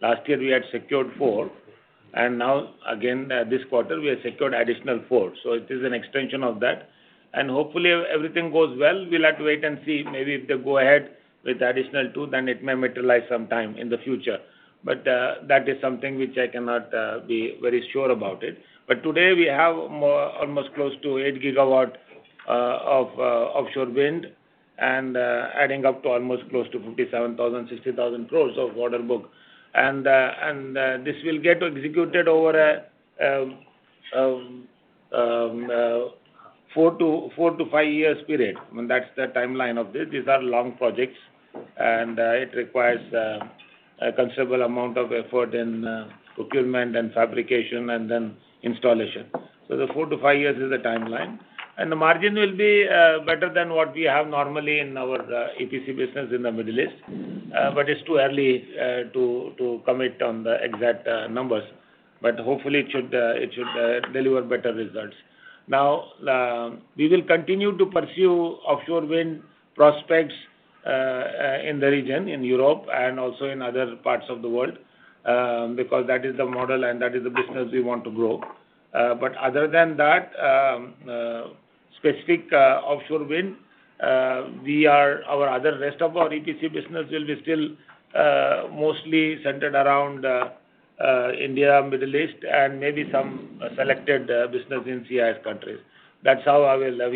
Last year we had secured four, this quarter we have secured additional four. It is an extension of that. Hopefully everything goes well. We'll have to wait and see. If they go ahead with the additional two, it may materialize sometime in the future. That is something which I cannot be very sure about it. Today we have almost close to 8 GW of offshore wind and adding up to almost close to 57,000 crore-60,000 crore of order book. This will get executed over a four to five years period. That's the timeline of this. These are long projects and it requires a considerable amount of effort in procurement and fabrication and then installation. The four to five years is the timeline. The margin will be better than what we have normally in our EPC business in the Middle East. It's too early to commit on the exact numbers. Hopefully it should deliver better results. We will continue to pursue offshore wind prospects in the region, in Europe and also in other parts of the world, because that is the model and that is the business we want to grow. Other than that specific offshore wind, rest of our EPC business will be still mostly centered around India, Middle East, and maybe some selected business in CIS countries. We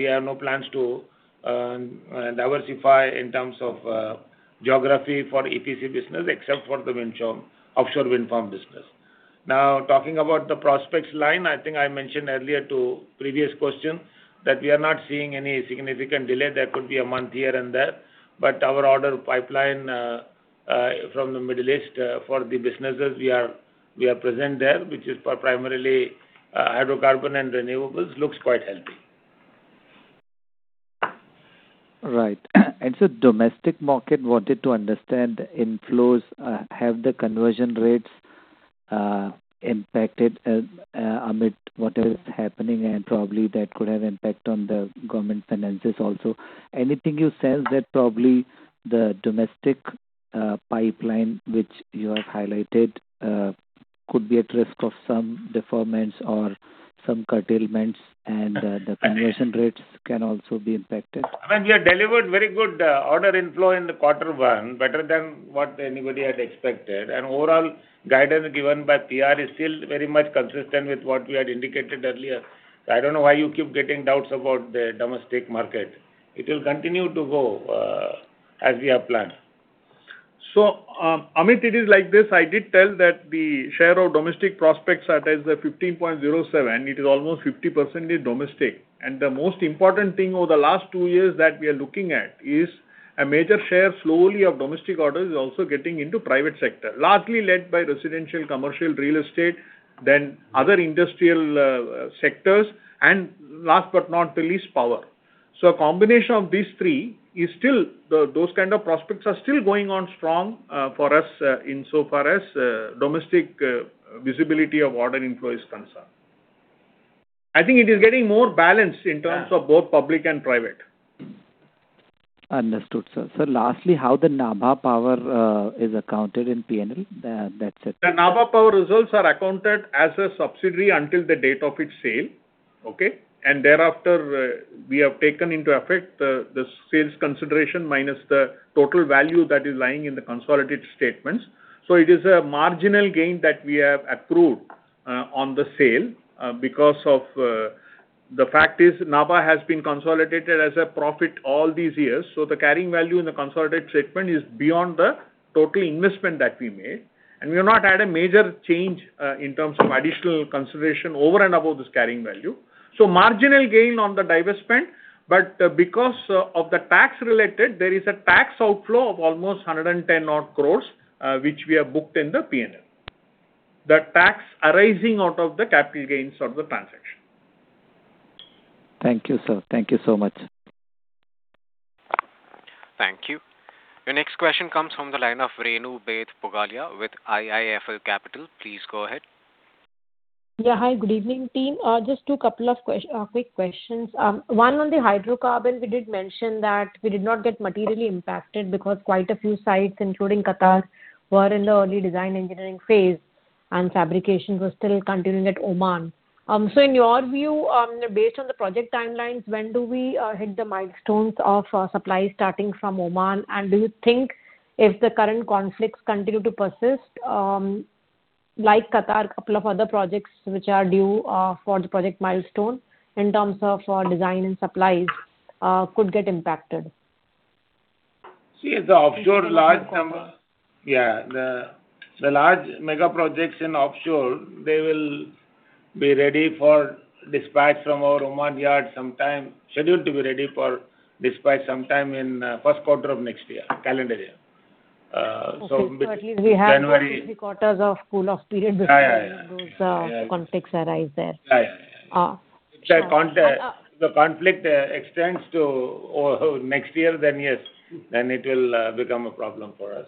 have no plans to diversify in terms of geography for EPC business except for the offshore wind farm business. Talking about the prospects line, I think I mentioned earlier to previous question that we are not seeing any significant delay. There could be a month here and there. Our order pipeline from the Middle East for the businesses we are present there, which is for primarily hydrocarbon and renewables, looks quite healthy. Right. Sir, domestic market, wanted to understand inflows. Have the conversion rates impacted amid what is happening and probably that could have impact on the government finances also. Anything you sense that probably the domestic pipeline which you have highlighted could be at risk of some deferments or some curtailments and the conversion rates can also be impacted? Amit, we have delivered very good order inflow in the quarter one, better than what anybody had expected. Overall guidance given by PR is still very much consistent with what we had indicated earlier. I don't know why you keep getting doubts about the domestic market. It will continue to go as we have planned. Amit, it is like this. I did tell that the share of domestic prospects as at 15.07, it is almost 50% is domestic. The most important thing over the last two years that we are looking at is a major share slowly of domestic orders is also getting into private sector. Largely led by residential, commercial, real estate, then other industrial sectors, and last but not the least, power. A combination of these three, those kind of prospects are still going on strong for us insofar as domestic visibility of order inflow is concerned. I think it is getting more balanced in terms of both public and private. Understood, sir. Sir, lastly, how the Nabha Power is accounted in P&L? That's it. The Nabha Power results are accounted as a subsidiary until the date of its sale. Okay. Thereafter, we have taken into effect the sales consideration minus the total value that is lying in the consolidated statements. It is a marginal gain that we have accrued on the sale because of the fact is Nabha has been consolidated as a profit all these years. The carrying value in the consolidated statement is beyond the total investment that we made, and we have not had a major change in terms of additional consideration over and above this carrying value. Marginal gain on the divestment, but because of the tax related, there is a tax outflow of almost 110 odd crores, which we have booked in the P&L. The tax arising out of the capital gains of the transaction. Thank you, sir. Thank you so much. Thank you. Your next question comes from the line of Renu Baid with IIFL Capital. Please go ahead. Hi, good evening team. Just two couple of quick questions. One on the hydrocarbon. We did mention that we did not get materially impacted because quite a few sites, including Qatar, were in the early design engineering phase and fabrications were still continuing at Oman. In your view, based on the project timelines, when do we hit the milestones of supply starting from Oman? Do you think if the current conflicts continue to persist, like Qatar, couple of other projects, which are due for the project milestone in terms of design and supplies, could get impacted? The large mega projects in offshore, they will be ready for dispatch from our Oman yard sometime, scheduled to be ready for dispatch sometime in first quarter of next year, calendar year. Okay. At least we have two, three quarters of cool-off period. Yeah Before those conflicts arise there. Yeah. If the conflict extends to next year, then yes, then it will become a problem for us.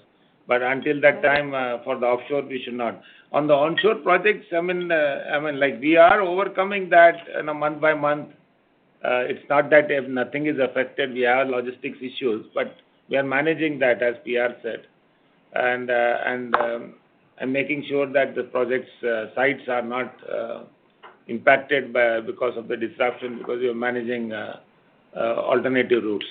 Until that time, for the offshore, we should not. On the onshore projects, we are overcoming that month-by-month. It's not that nothing is affected. We have logistics issues, but we are managing that, as PR said, and making sure that the project's sites are not impacted because of the disruption, because we are managing alternative routes.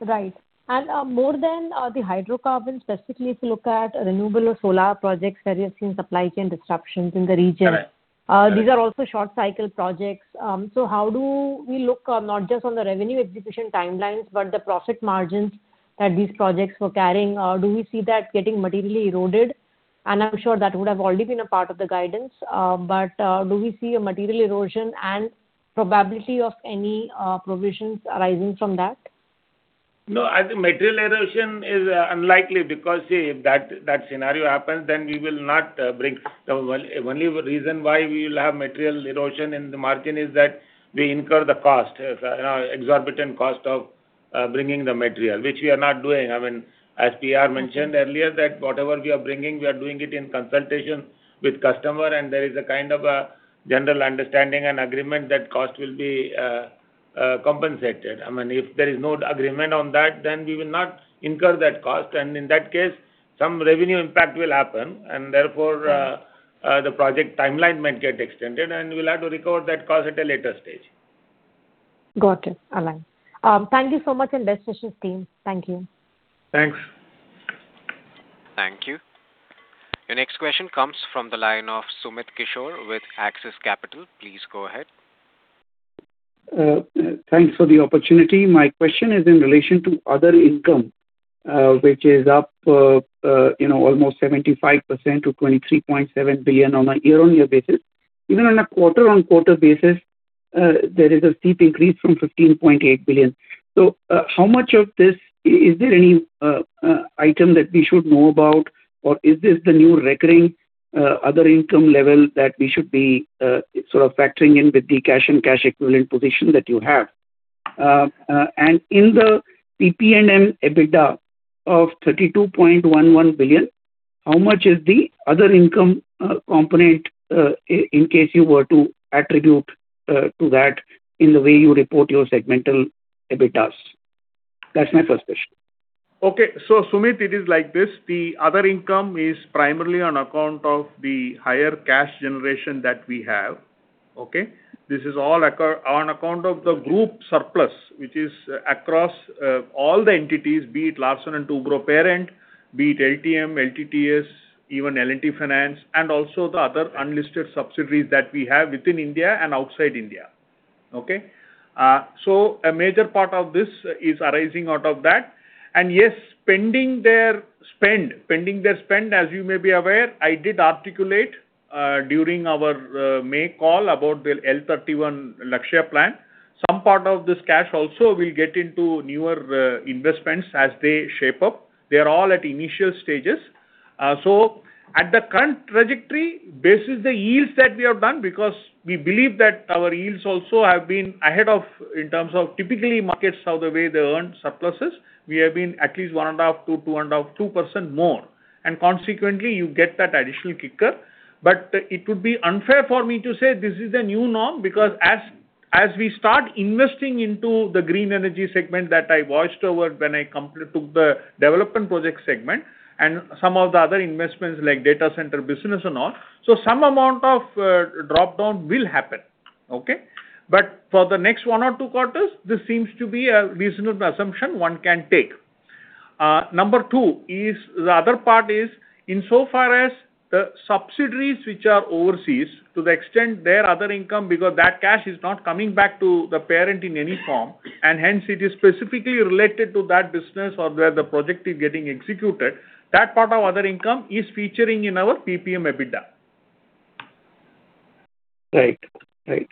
Right. More than the hydrocarbon, specifically if you look at renewable or solar projects where you're seeing supply chain disruptions in the region. Correct. these are also short cycle projects. How do we look not just on the revenue execution timelines, but the profit margins that these projects were carrying? Do we see that getting materially eroded? I'm sure that would have already been a part of the guidance, but do we see a material erosion and probability of any provisions arising from that? No, I think material erosion is unlikely because if that scenario happens, we will not bring. The only reason why we will have material erosion in the margin is that we incur the exorbitant cost of bringing the material, which we are not doing. As PR mentioned earlier that whatever we are bringing, we are doing it in consultation with customer. There is a kind of a general understanding and agreement that cost will be compensated. If there is no agreement on that, we will not incur that cost. In that case, some revenue impact will happen. Right The project timeline might get extended. We'll have to recover that cost at a later stage. Got it. All right. Thank you so much. Best wishes team. Thank you. Thanks. Thank you. Your next question comes from the line of Sumit Kishore with Axis Capital. Please go ahead. Thanks for the opportunity. My question is in relation to other income, which is up almost 75% to 23.7 billion on a year-on-year basis. Even on a quarter-on-quarter basis, there is a steep increase from 15.8 billion. How much of this, is there any item that we should know about, or is this the new recurring other income level that we should be sort of factoring in with the cash and cash equivalent position that you have? In the PPM EBITDA of 32.11 billion, how much is the other income component, in case you were to attribute to that in the way you report your segmental EBITDAs? That's my first question. Okay. Sumit, it is like this. The other income is primarily on account of the higher cash generation that we have. Okay? This is all on account of the group surplus, which is across all the entities, be it Larsen & Toubro parent, be it LTM, LTTS, even L&T Finance, and also the other unlisted subsidiaries that we have within India and outside India. Okay? A major part of this is arising out of that. Yes, pending their spend, as you may be aware, I did articulate during our May call about the L31 Lakshya Plan. Some part of this cash also will get into newer investments as they shape up. They are all at initial stages. At the current trajectory, this is the yields that we have done because we believe that our yields also have been ahead of, in terms of typically markets how the way they earn surpluses. We have been at least 1.5%, 2%, 2.5% more, and consequently, you get that additional kicker. It would be unfair for me to say this is a new norm, because as we start investing into the Green Energy segment that I voiced over when I took the development project segment, and some of the other investments like data center business and all. Some amount of drop-down will happen. Okay. For the next one or two quarters, this seems to be a reasonable assumption one can take. Insofar as the subsidiaries which are overseas, to the extent their other income, because that cash is not coming back to the parent in any form, and hence it is specifically related to that business or where the project is getting executed, that part of other income is featuring in our PPM EBITDA. Right.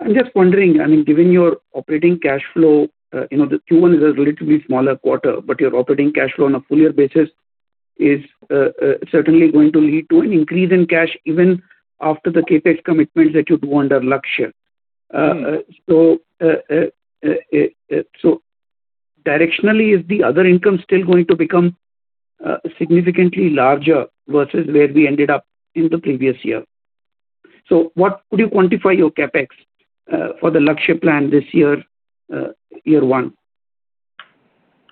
I'm just wondering, given your operating cash flow, the Q1 is a relatively smaller quarter. Your operating cash flow on a full year basis is certainly going to lead to an increase in cash even after the CapEx commitments that you do under Lakshya. Directionally, is the other income still going to become significantly larger versus where we ended up in the previous year? What could you quantify your CapEx for the Lakshya plan this year one?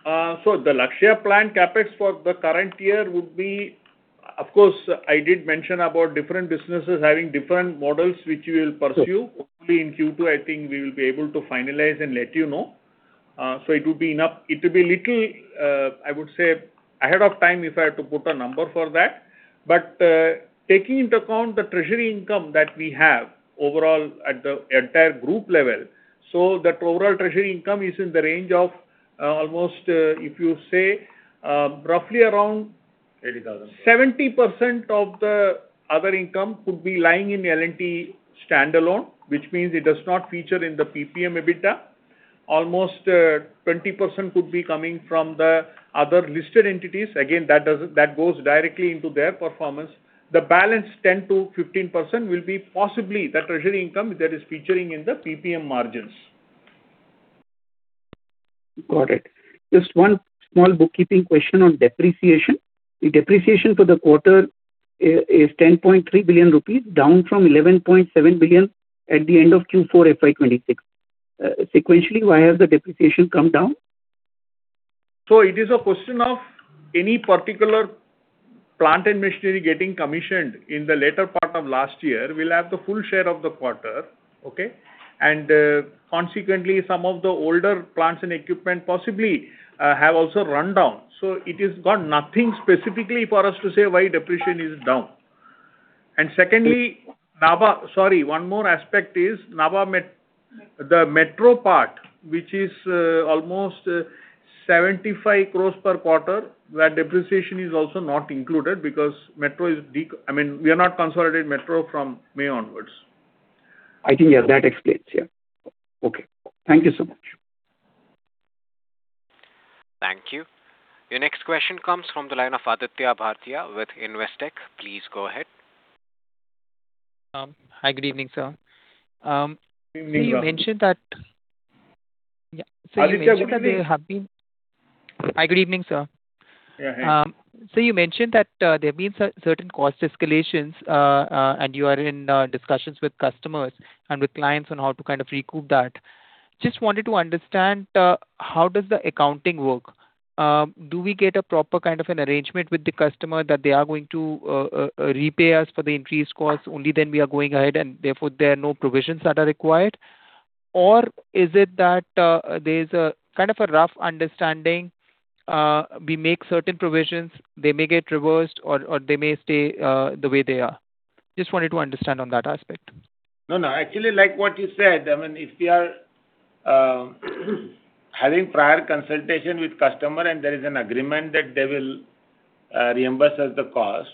The Lakshya plan CapEx for the current year would be, of course, I did mention about different businesses having different models which we will pursue. Sure. Only in Q2, I think, we will be able to finalize and let you know. It will be a little, I would say, ahead of time if I had to put a number for that. Taking into account the treasury income that we have overall at the entire group level. That overall treasury income is in the range of almost, if you say, roughly around- 80,000 ...70% of the other income could be lying in L&T standalone, which means it does not feature in the PPM EBITDA. Almost 20% could be coming from the other listed entities. That goes directly into their performance. The balance 10%-15% will be possibly the treasury income that is featuring in the PPM margins. Got it. Just one small bookkeeping question on depreciation. The depreciation for the quarter is 10.3 billion rupees, down from 11.7 billion at the end of Q4 FY 2026. Sequentially, why has the depreciation come down? It is a question of any particular plant and machinery getting commissioned in the later part of last year, will have the full share of the quarter. Okay. Consequently, some of the older plants and equipment possibly have also run down. It is got nothing specifically for us to say why depreciation is down. Secondly, Nabha. Sorry, one more aspect is Nabha, the metro part, which is almost 75 crore per quarter, where depreciation is also not included because metro is We are not consolidated metro from May onwards. I think, yeah, that explains. Yeah. Okay. Thank you so much. Thank you. Your next question comes from the line of Aditya Bhartia with Investec. Please go ahead. Hi, good evening, sir. Good evening. You mentioned that- Aditya, good evening. Hi, good evening, sir. Yeah. Sir, you mentioned that there have been certain cost escalations, and you are in discussions with customers and with clients on how to recoup that. Just wanted to understand, how does the accounting work? Do we get a proper kind of an arrangement with the customer that they are going to repay us for the increased cost, only then we are going ahead, and therefore there are no provisions that are required? Is it that there's a kind of a rough understanding, we make certain provisions, they may get reversed or they may stay the way they are? Just wanted to understand on that aspect. No. Actually, like what you said, if we are having prior consultation with customer and there is an agreement that they will reimburse us the cost,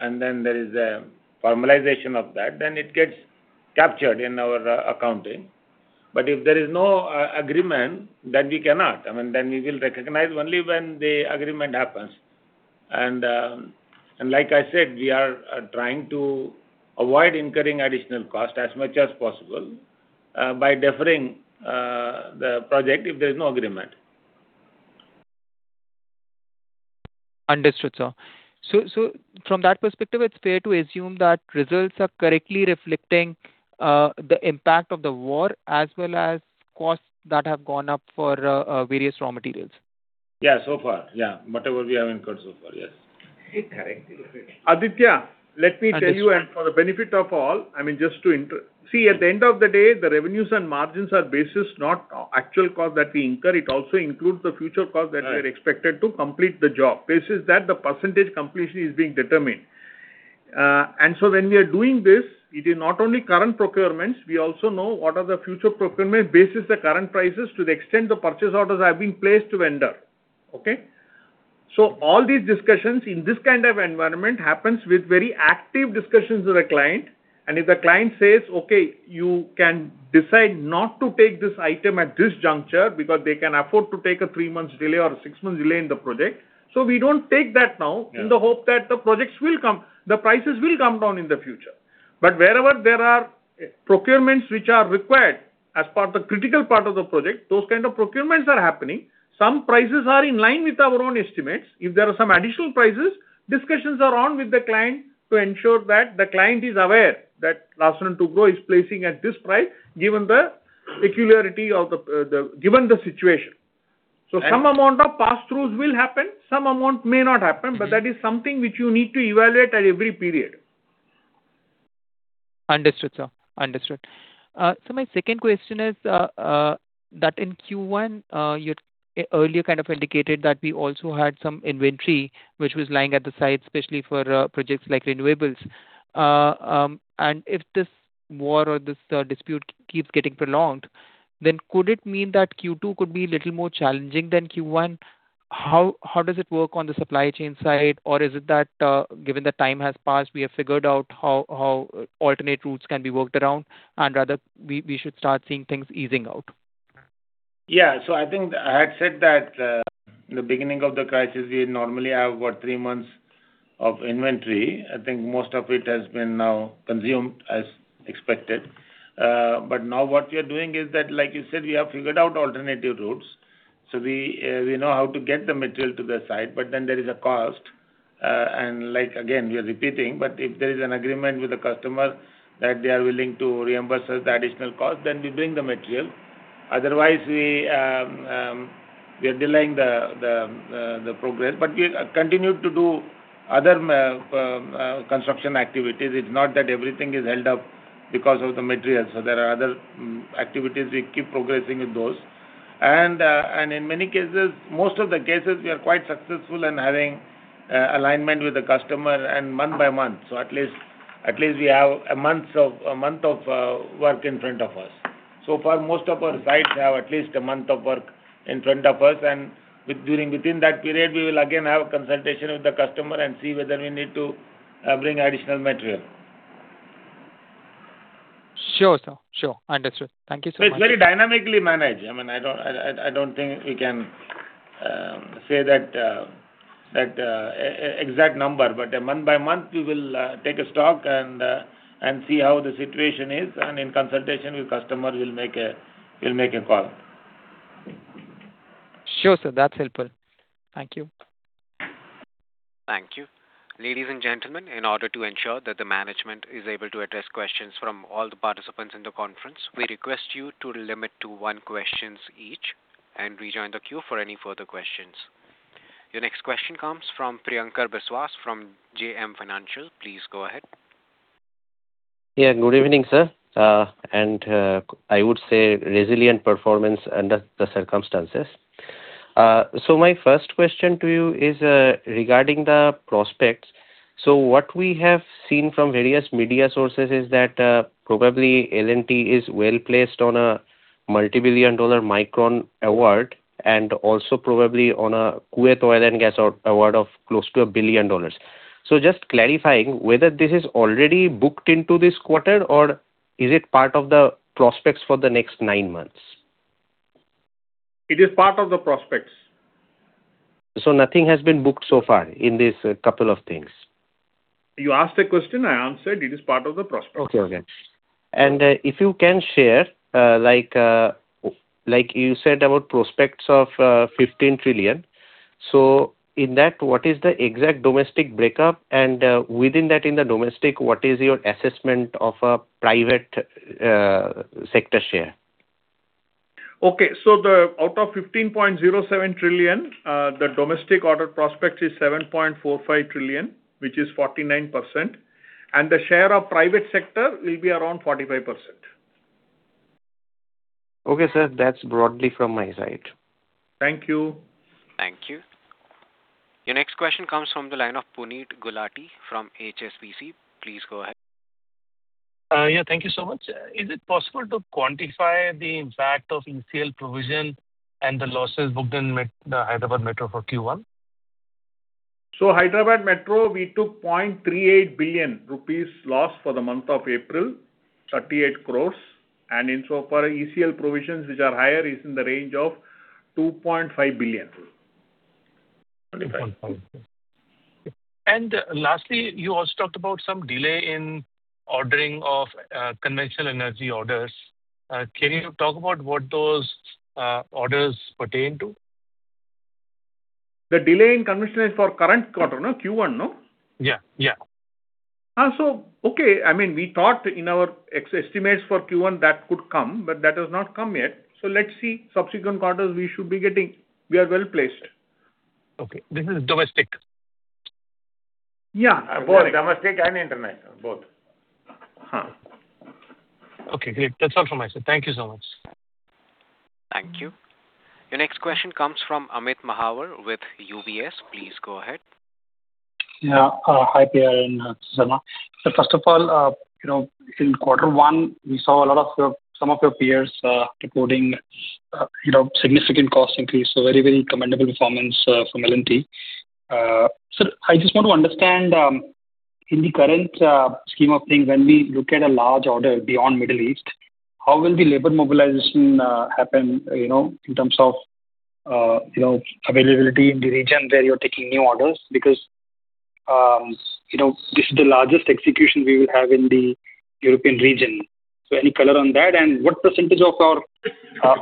then there is a formalization of that, then it gets captured in our accounting. If there is no agreement, then we cannot. We will recognize only when the agreement happens. Like I said, we are trying to avoid incurring additional cost as much as possible by deferring the project if there's no agreement. Understood, sir. From that perspective, it's fair to assume that results are correctly reflecting the impact of the war as well as costs that have gone up for various raw materials. Yeah. So far. Yeah. Whatever we have incurred so far, yes. Correct. Aditya, let me tell you. Understood For the benefit of all, See, at the end of the day, the revenues and margins are basis not actual cost that we incur. It also includes the future cost that we are expected to complete the job. Basis that the percentage completion is being determined. When we are doing this, it is not only current procurements, we also know what are the future procurements basis the current prices to the extent the purchase orders have been placed to vendor. Okay. All these discussions in this kind of environment happens with very active discussions with the client. If the client says, "Okay, you can decide not to take this item at this juncture," because they can afford to take a three months delay or a six months delay in the project. We don't take that now- Yeah in the hope that the projects will come, the prices will come down in the future. Wherever there are procurements which are required as part of the critical part of the project, those kind of procurements are happening. Some prices are in line with our own estimates. There are some additional prices, discussions are on with the client to ensure that the client is aware that Larsen & Toubro is placing at this price, given the peculiarity of the, given the situation. Some amount of passthroughs will happen, some amount may not happen. That is something which you need to evaluate at every period. Understood, sir. Understood. My second question is that in Q1, you earlier kind of indicated that we also had some inventory which was lying at the site, especially for projects like renewables. If this war or this dispute keeps getting prolonged, then could it mean that Q2 could be little more challenging than Q1? How does it work on the supply chain side? Is it that, given the time has passed, we have figured out how alternate routes can be worked around and rather we should start seeing things easing out? Yeah. I think I had said that in the beginning of the crisis, we normally have what, three months of inventory. I think most of it has been now consumed as expected. Now what we are doing is that, like you said, we have figured out alternative routes. We know how to get the material to the site, there is a cost. Again, we are repeating, but if there is an agreement with the customer that they are willing to reimburse us the additional cost, then we bring the material. Otherwise, we are delaying the progress. We continue to do other construction activities. It's not that everything is held up because of the material. There are other activities, we keep progressing with those. In many cases, most of the cases, we are quite successful in having alignment with the customer and month-by-month. At least we have a month of work in front of us. For most of our sites, we have at least a month of work in front of us, and within that period, we will again have a consultation with the customer and see whether we need to bring additional material. Sure, sir. Sure. Understood. Thank you so much. It's very dynamically managed. I don't think we can say that exact number, but month-by-month we will take a stock and see how the situation is, and in consultation with customer, we'll make a call. Sure, sir. That's helpful. Thank you. Thank you. Ladies and gentlemen, in order to ensure that the management is able to address questions from all the participants in the conference, we request you to limit to one questions each, and rejoin the queue for any further questions. Your next question comes from Priyankar Biswas from JM Financial. Please go ahead. Yeah. Good evening, sir. I would say resilient performance under the circumstances. My first question to you is regarding the prospects. What we have seen from various media sources is that probably L&T is well-placed on a $multi-billion Micron award, and also probably on a Kuwait Oil & Gas award of close to a $1 billion. Just clarifying whether this is already booked into this quarter, or is it part of the prospects for the next nine months? It is part of the prospects. Nothing has been booked so far in this couple of things? You asked a question, I answered. It is part of the prospects. Okay. If you can share, like you said about prospects of 15 trillion, so in that, what is the exact domestic breakup, and within that, in the domestic, what is your assessment of a private sector share? Okay. Out of 15.07 trillion, the domestic order prospects is 7.45 trillion, which is 49%, and the share of private sector will be around 45%. Okay, sir. That's broadly from my side. Thank you. Thank you. Your next question comes from the line of Puneet Gulati from HSBC. Please go ahead. Yeah. Thank you so much. Is it possible to quantify the impact of ECL provision and the losses booked in the Hyderabad Metro for Q1? Hyderabad Metro, we took 3.38 billion rupees loss for the month of April, 38 crores. In so far, ECL provisions, which are higher, is in the range of 2.5 billion. INR 2.5 billion. Lastly, you also talked about some delay in ordering of conventional energy orders. Can you talk about what those orders pertain to? The delay in conventional is for current quarter, no, Q1, no? Yeah. Okay, we thought in our estimates for Q1 that could come, but that has not come yet. Let's see. Subsequent quarters, we should be getting. We are well-placed. Okay. This is domestic? Yeah. Both. Domestic and international, both. Okay, great. That's all from my side. Thank you so much. Thank you. Your next question comes from Amit Mahawar with UBS. Please go ahead. Yeah. Hi, P.R. and Sarma. First of all, in quarter one, we saw a lot of some of your peers reporting significant cost increase. Very, very commendable performance from L&T. Sir, I just want to understand, in the current scheme of things, when we look at a large order beyond Middle East, how will the labor mobilization happen in terms of availability in the region where you're taking new orders? Because this is the largest execution we will have in the European region. Any color on that? What % of our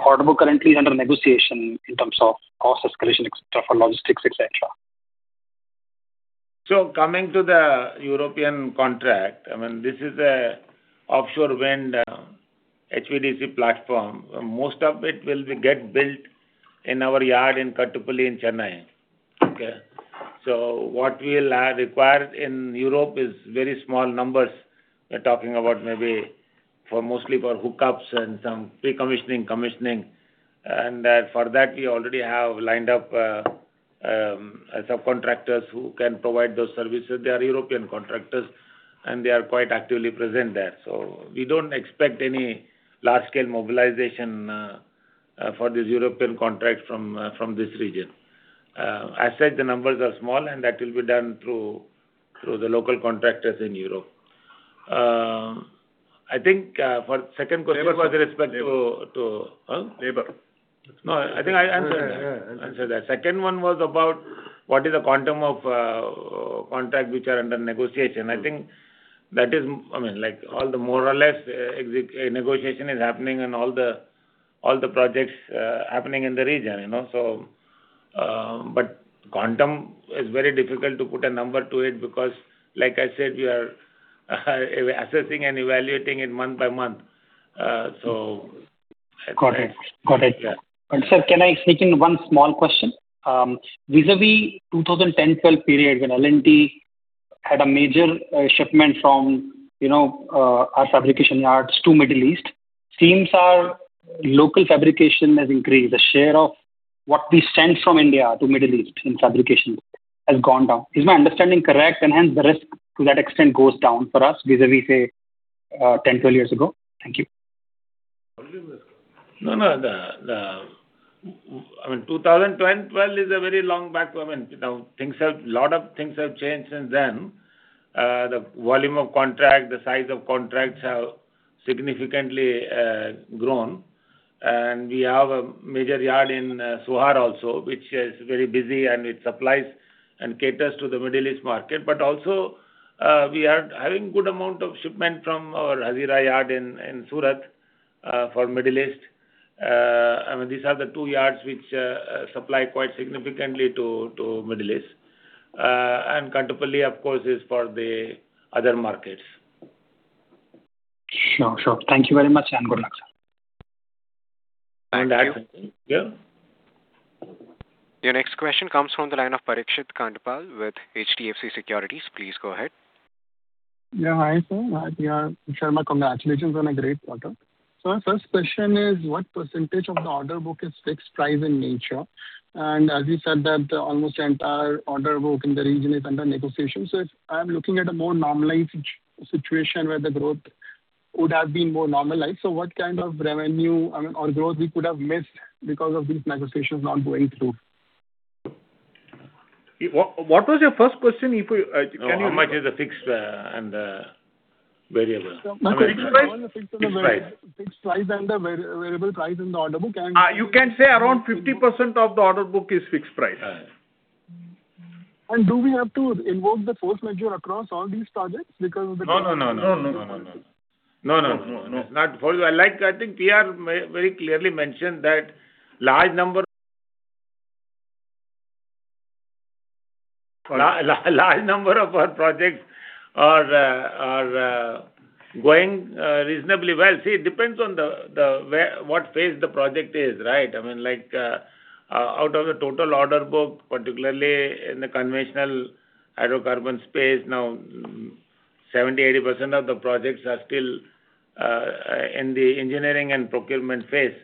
order book currently is under negotiation in terms of cost escalation, et cetera, for logistics, et cetera? Coming to the European contract, this is a offshore wind HVDC platform. Most of it will get built in our yard in Kattupalli in Chennai. Okay. What we'll require in Europe is very small numbers. We're talking about maybe mostly for hookups and some pre-commissioning, commissioning. For that, we already have lined up subcontractors who can provide those services. They are European contractors, and they are quite actively present there. We don't expect any large-scale mobilization for this European contract from this region. As such, the numbers are small, and that will be done through the local contractors in Europe. I think for the second question with respect to- Labor. Huh? Labor. No, I think I answered that. Yeah. Answered that. Second one was about what is the quantum of contract which are under negotiation. I think more or less negotiation is happening in all the projects happening in the region. Quantum is very difficult to put a number to it because, like I said, we are assessing and evaluating it month-by-month. Got it. Yeah. Sir, can I sneak in one small question? Vis-a-vis 2010-12 period, when L&T had a major shipment from our fabrication yards to Middle East, seems our local fabrication has increased. The share of what we send from India to Middle East in fabrication has gone down. Is my understanding correct? Hence, the risk to that extent goes down for us vis-a-vis, say, 10, 12 years ago. Thank you. No. 2010-2012 is a very long back. A lot of things have changed since then. The volume of contract, the size of contracts have significantly grown. We have a major yard in Sohar also, which is very busy, and it supplies and caters to the Middle East market. Also, we are having good amount of shipment from our Hazira yard in Surat for Middle East. These are the two yards which supply quite significantly to Middle East. Kattupalli, of course, is for the other markets. Sure. Thank you very much, and good luck, sir. Thank you. Yeah. Your next question comes from the line of Parikshit Kandpal with HDFC Securities. Please go ahead. Hi, sir. Hi, PR. Sarma. Congratulations on a great quarter. Sir, first question is, what percentage of the order book is fixed price in nature? As you said that almost entire order book in the region is under negotiation. If I'm looking at a more normalized situation where the growth would have been more normalized, what kind of revenue or growth we could have missed because of these negotiations not going through? What was your first question? How much is the fixed and the variable? Fixed price and the variable price in the order book. You can say around 50% of the order book is fixed price. Do we have to invoke the force majeure across all these projects? No. No. I think we very clearly mentioned that large number of our projects are going reasonably well. See, it depends on what phase the project is, right? Out of the total order book, particularly in the conventional hydrocarbon space now, 70%-80% of the projects are still in the engineering and procurement phase.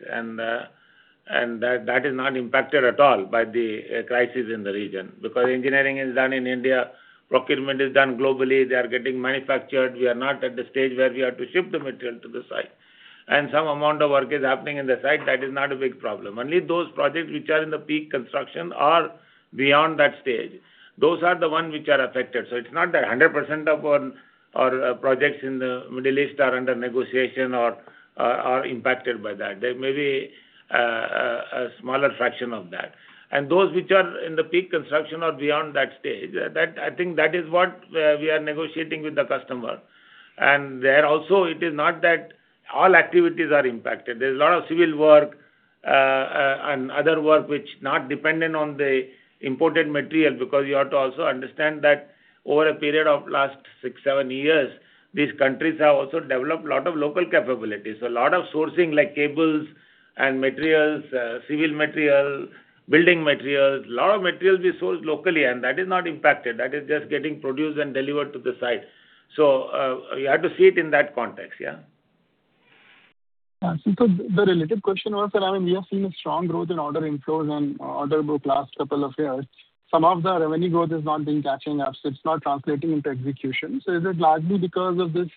That is not impacted at all by the crisis in the region, because engineering is done in India, procurement is done globally. They are getting manufactured. We are not at the stage where we have to ship the material to the site. Some amount of work is happening in the site. That is not a big problem. Only those projects which are in the peak construction are beyond that stage. Those are the ones which are affected. It's not that 100% of our projects in the Middle East are under negotiation or are impacted by that. There may be a smaller fraction of that. Those which are in the peak construction are beyond that stage. I think that is what we are negotiating with the customer. There also, it is not that all activities are impacted. There's a lot of civil work, and other work which not dependent on the imported material, because you have to also understand that over a period of last six, seven years, these countries have also developed a lot of local capabilities. A lot of sourcing, like cables and materials, civil material, building materials, lot of materials we source locally, and that is not impacted. That is just getting produced and delivered to the site. You have to see it in that context, yeah. Yeah. Super. The related question was that, we have seen a strong growth in order inflows on order book last couple of years. Some of the revenue growth is not being catching up, it's not translating into execution. Is it largely because of this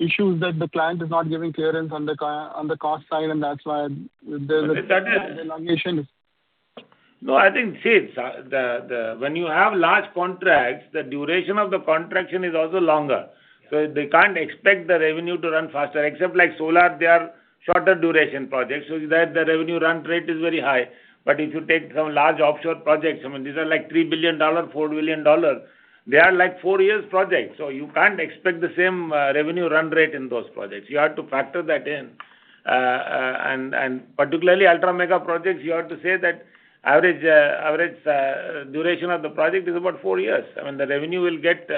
issue that the client is not giving clearance on the cost side, and that's why there's a elongation? I think, when you have large contracts, the duration of the contract is also longer. They can't expect the revenue to run faster, except like solar, they are shorter duration projects, there the revenue run rate is very high. But if you take some large offshore projects, these are like $3 billion, $4 billion. They are like four-year projects, you can't expect the same revenue run rate in those projects. You have to factor that in. Particularly ultra mega projects, you have to say that average duration of the project is about four years. I mean, the revenue will get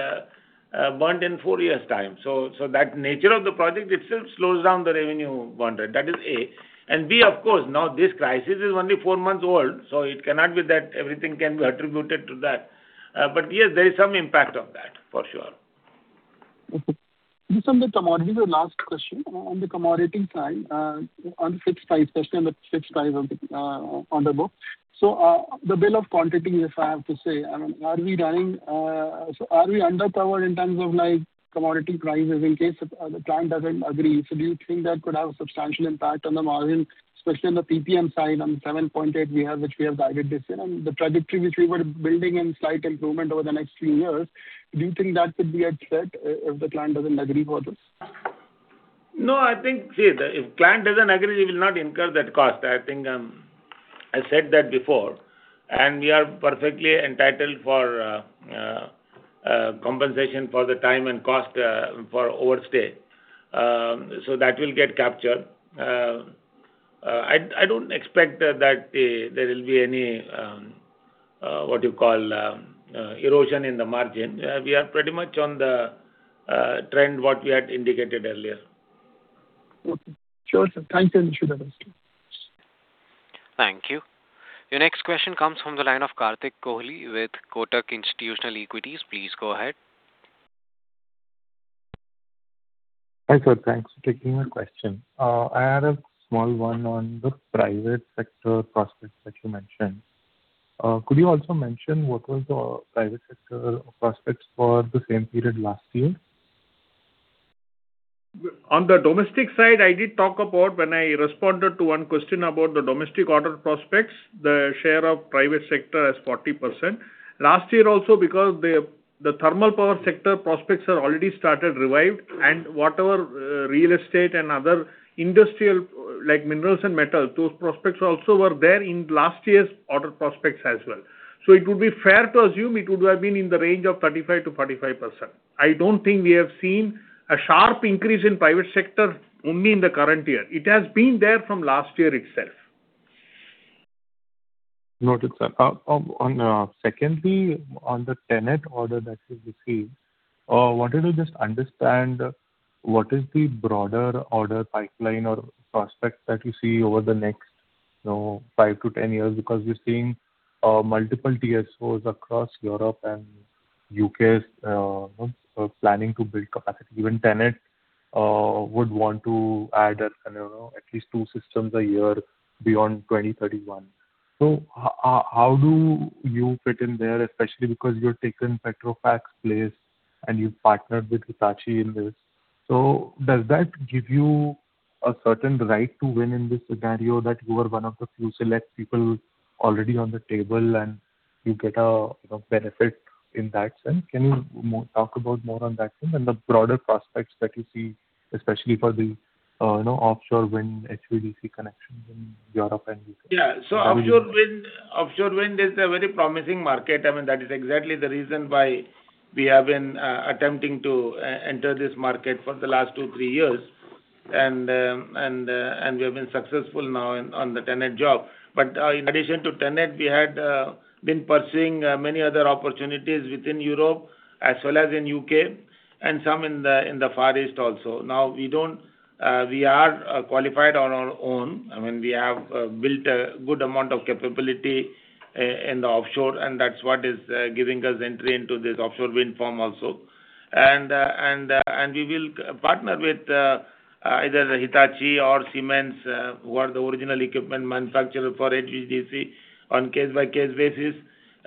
burnt in four years' time. That nature of the project itself slows down the revenue run rate. That is A. B, of course, now this crisis is only four-months old, it cannot be that everything can be attributed to that. Yes, there is some impact of that, for sure. This is on the commodity, the last question. On the commodity side, on the fixed price question, the fixed price on the book. The bill of quantities, if I have to say, are we underpowered in terms of commodity prices in case the client doesn't agree? Do you think that could have a substantial impact on the margin, especially on the PPM side, on the 7.8% we have, which we have guided this in? The trajectory which we were building in slight improvement over the next three years, do you think that could be at threat if the client doesn't agree for this? I think, if client doesn't agree, we will not incur that cost. I think I said that before. We are perfectly entitled for compensation for the time and cost for overstay. That will get captured. I don't expect that there will be any, what you call, erosion in the margin. We are pretty much on the trend, what we had indicated earlier. Okay. Sure, sir. Thank you. Wish you the best. Thank you. Your next question comes from the line of Kartik Kohli with Kotak Institutional Equities. Please go ahead. Hi, sir. Thanks for taking my question. I had a small one on the private sector prospects that you mentioned. Could you also mention what was the private sector prospects for the same period last year? On the domestic side, I did talk about when I responded to one question about the domestic order prospects, the share of private sector as 40%. Last year also, because the thermal power sector prospects are already started, revived, and whatever real estate and other industrial, like minerals and metal, those prospects also were there in last year's order prospects as well. It would be fair to assume it would have been in the range of 35%-45%. I don't think we have seen a sharp increase in private sector only in the current year. It has been there from last year itself. Noted, sir. Secondly, on the TenneT order that you received, wanted to just understand what is the broader order pipeline or prospects that you see over the next five to 10 years? We're seeing multiple TSOs across Europe and U.K. are planning to build capacity. Even TenneT would want to add at least two systems a year beyond 2031. How do you fit in there, especially because you're taking Petrofac's place and you've partnered with Hitachi in this. Does that give you a certain right to win in this scenario that you are one of the few select people already on the table and you get a benefit in that sense? Can you talk about more on that thing and the broader prospects that you see, especially for the offshore wind HVDC connections in Europe and U.K.? Yeah. Offshore wind is a very promising market. That is exactly the reason why we have been attempting to enter this market for the last two, three years. We have been successful now on the TenneT job. In addition to TenneT, we had been pursuing many other opportunities within Europe as well as in U.K. and some in the Far East also. We are qualified on our own. We have built a good amount of capability in the offshore, and that's what is giving us entry into this offshore wind farm also. We will partner with either Hitachi or Siemens, who are the original equipment manufacturer for HVDC, on case-by-case basis.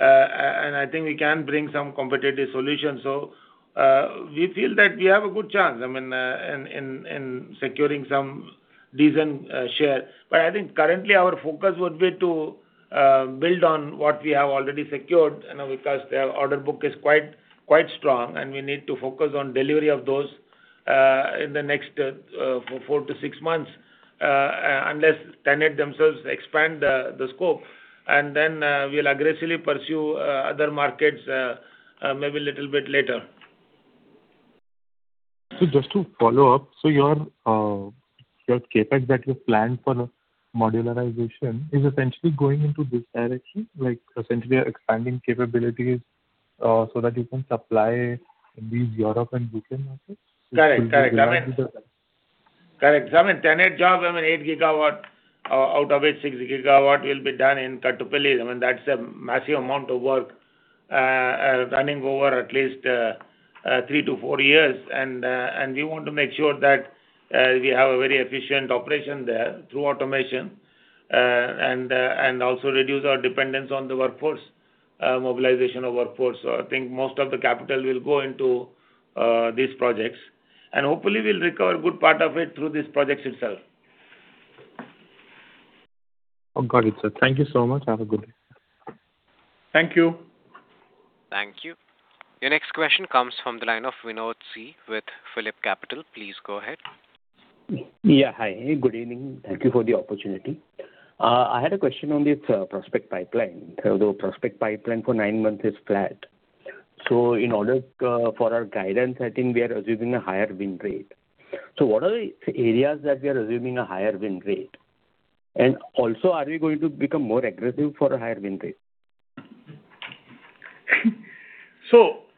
I think we can bring some competitive solutions. We feel that we have a good chance in securing some decent share. I think currently our focus would be to build on what we have already secured, because the order book is quite strong, and we need to focus on delivery of those in the next four to six months. Unless TenneT themselves expand the scope. Then we'll aggressively pursue other markets maybe a little bit later. Just to follow up. Your CapEx that you've planned for modularization is essentially going into this direction, like essentially expanding capabilities so that you can supply these Europe and U.K. markets? Correct. TenneT job, 8 GW, out of it 6 GW will be done in Kattupalli. That's a massive amount of work running over at least three to four years. We want to make sure that we have a very efficient operation there through automation. Also reduce our dependence on the workforce, mobilization of workforce. I think most of the capital will go into these projects. Hopefully we'll recover a good part of it through these projects itself. Got it, sir. Thank you so much. Have a good day. Thank you. Thank you. Your next question comes from the line of Vinod C. with PhillipCapital. Please go ahead. Yeah, hi. Good evening. Thank you for the opportunity. I had a question on this prospect pipeline. Although prospect pipeline for nine months is flat. In order for our guidance, I think we are assuming a higher win rate. What are the areas that we are assuming a higher win rate? Are we going to become more aggressive for a higher win rate?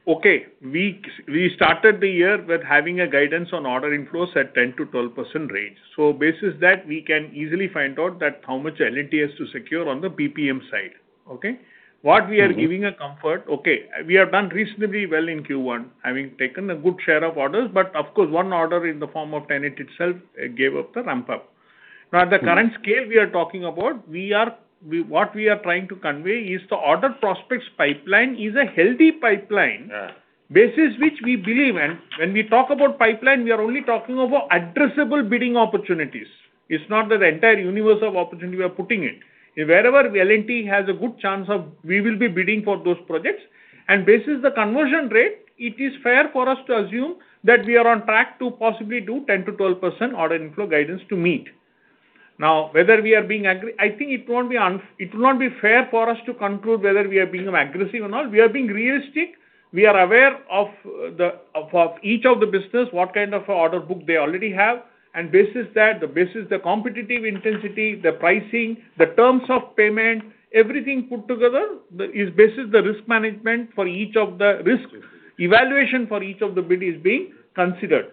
We started the year with having a guidance on order inflows at 10%-12% range. Basis that, we can easily find out that how much L&T has to secure on the PPM side. Okay? What we are giving a comfort, okay, we have done reasonably well in Q1, having taken a good share of orders, but of course one order in the form of TenneT itself gave up the ramp-up. At the current scale we are talking about, what we are trying to convey is the order prospects pipeline is a healthy pipeline. Yeah. Basis which we believe when we talk about pipeline, we are only talking about addressable bidding opportunities. It is not that the entire universe of opportunity we are putting it. Wherever L&T has a good chance of, we will be bidding for those projects. Basis the conversion rate, it is fair for us to assume that we are on track to possibly do 10%-12% order inflow guidance to meet. I think it will not be fair for us to conclude whether we are being aggressive or not. We are being realistic. We are aware of each of the business, what kind of order book they already have, and basis that, the competitive intensity, the pricing, the terms of payment, everything put together, is basis the risk management for each of the risk evaluation for each of the bid is being considered.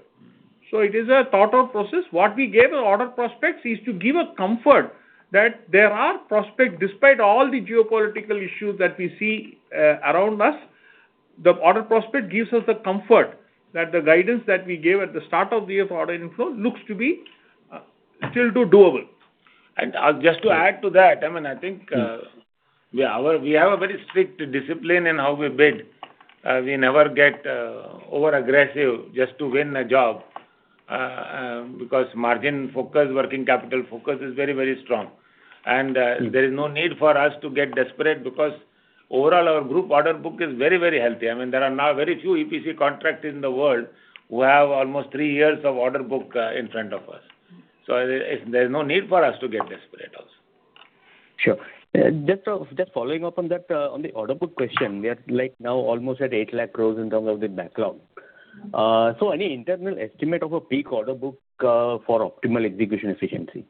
It is a thought out process. What we gave as order prospects is to give a comfort that there are prospects despite all the geopolitical issues that we see around us. The order prospect gives us the comfort that the guidance that we gave at the start of the year for order inflow looks to be still doable. Just to add to that, I think we have a very strict discipline in how we bid. We never get overaggressive just to win a job, because margin focus, working capital focus is very, very strong. There is no need for us to get desperate because overall our group order book is very, very healthy. There are now very few EPC contractors in the world who have almost three years of order book in front of us. There is no need for us to get desperate also. Sure. Just following up on that, on the order book question, we are now almost at 8 lakh crore in terms of the backlog. Any internal estimate of a peak order book for optimal execution efficiency?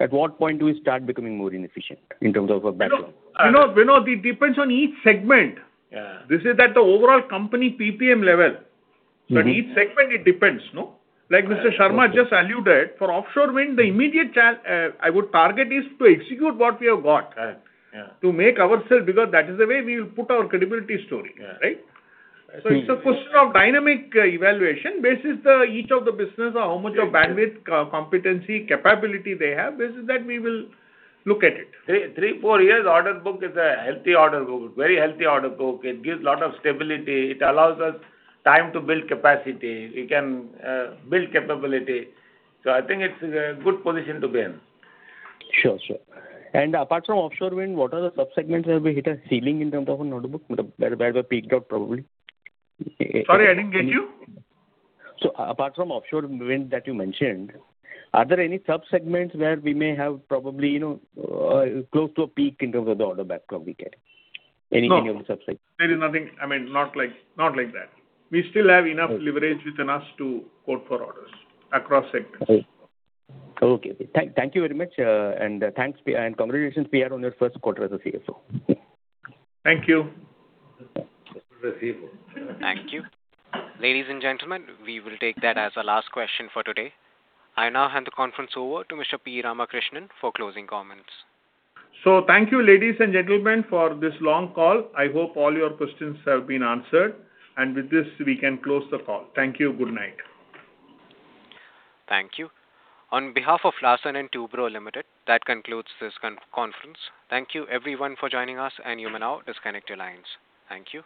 At what point do we start becoming more inefficient in terms of a backlog? Vinod, it depends on each segment. Yeah. This is at the overall company PPM level. At each segment it depends, no? Like Mr. Sarma just alluded, for offshore wind, the immediate target is to execute what we have got. Correct. Yeah. To make ourselves because that is the way we will put our credibility story. Yeah. Right? It's a question of dynamic evaluation basis each of the business or how much of bandwidth, competency, capability they have, basis that we will look at it. Three, four years order book is a healthy order book. Very healthy order book. It gives lot of stability. It allows us time to build capacity. We can build capability. I think it's a good position to be in. Sure. Apart from offshore wind, what are the sub-segments that will be hit a ceiling in terms of an order book? That are peaked out probably? Sorry, I didn't get you. Apart from offshore wind that you mentioned, are there any sub-segments where we may have probably close to a peak in terms of the order backlog we get? Any new sub-segments. No. There is nothing, not like that. We still have enough leverage within us to quote for orders across sectors. Okay. Thank you very much, and congratulations, PR, on your first quarter as a CFO. Thank you. Thank you. Ladies and gentlemen, we will take that as our last question for today. I now hand the conference over to Mr. P. Ramakrishnan for closing comments. Thank you, ladies and gentlemen, for this long call. I hope all your questions have been answered. With this, we can close the call. Thank you. Good night. Thank you. On behalf of Larsen & Toubro Limited, that concludes this conference. Thank you everyone for joining us, and you may now disconnect your lines. Thank you.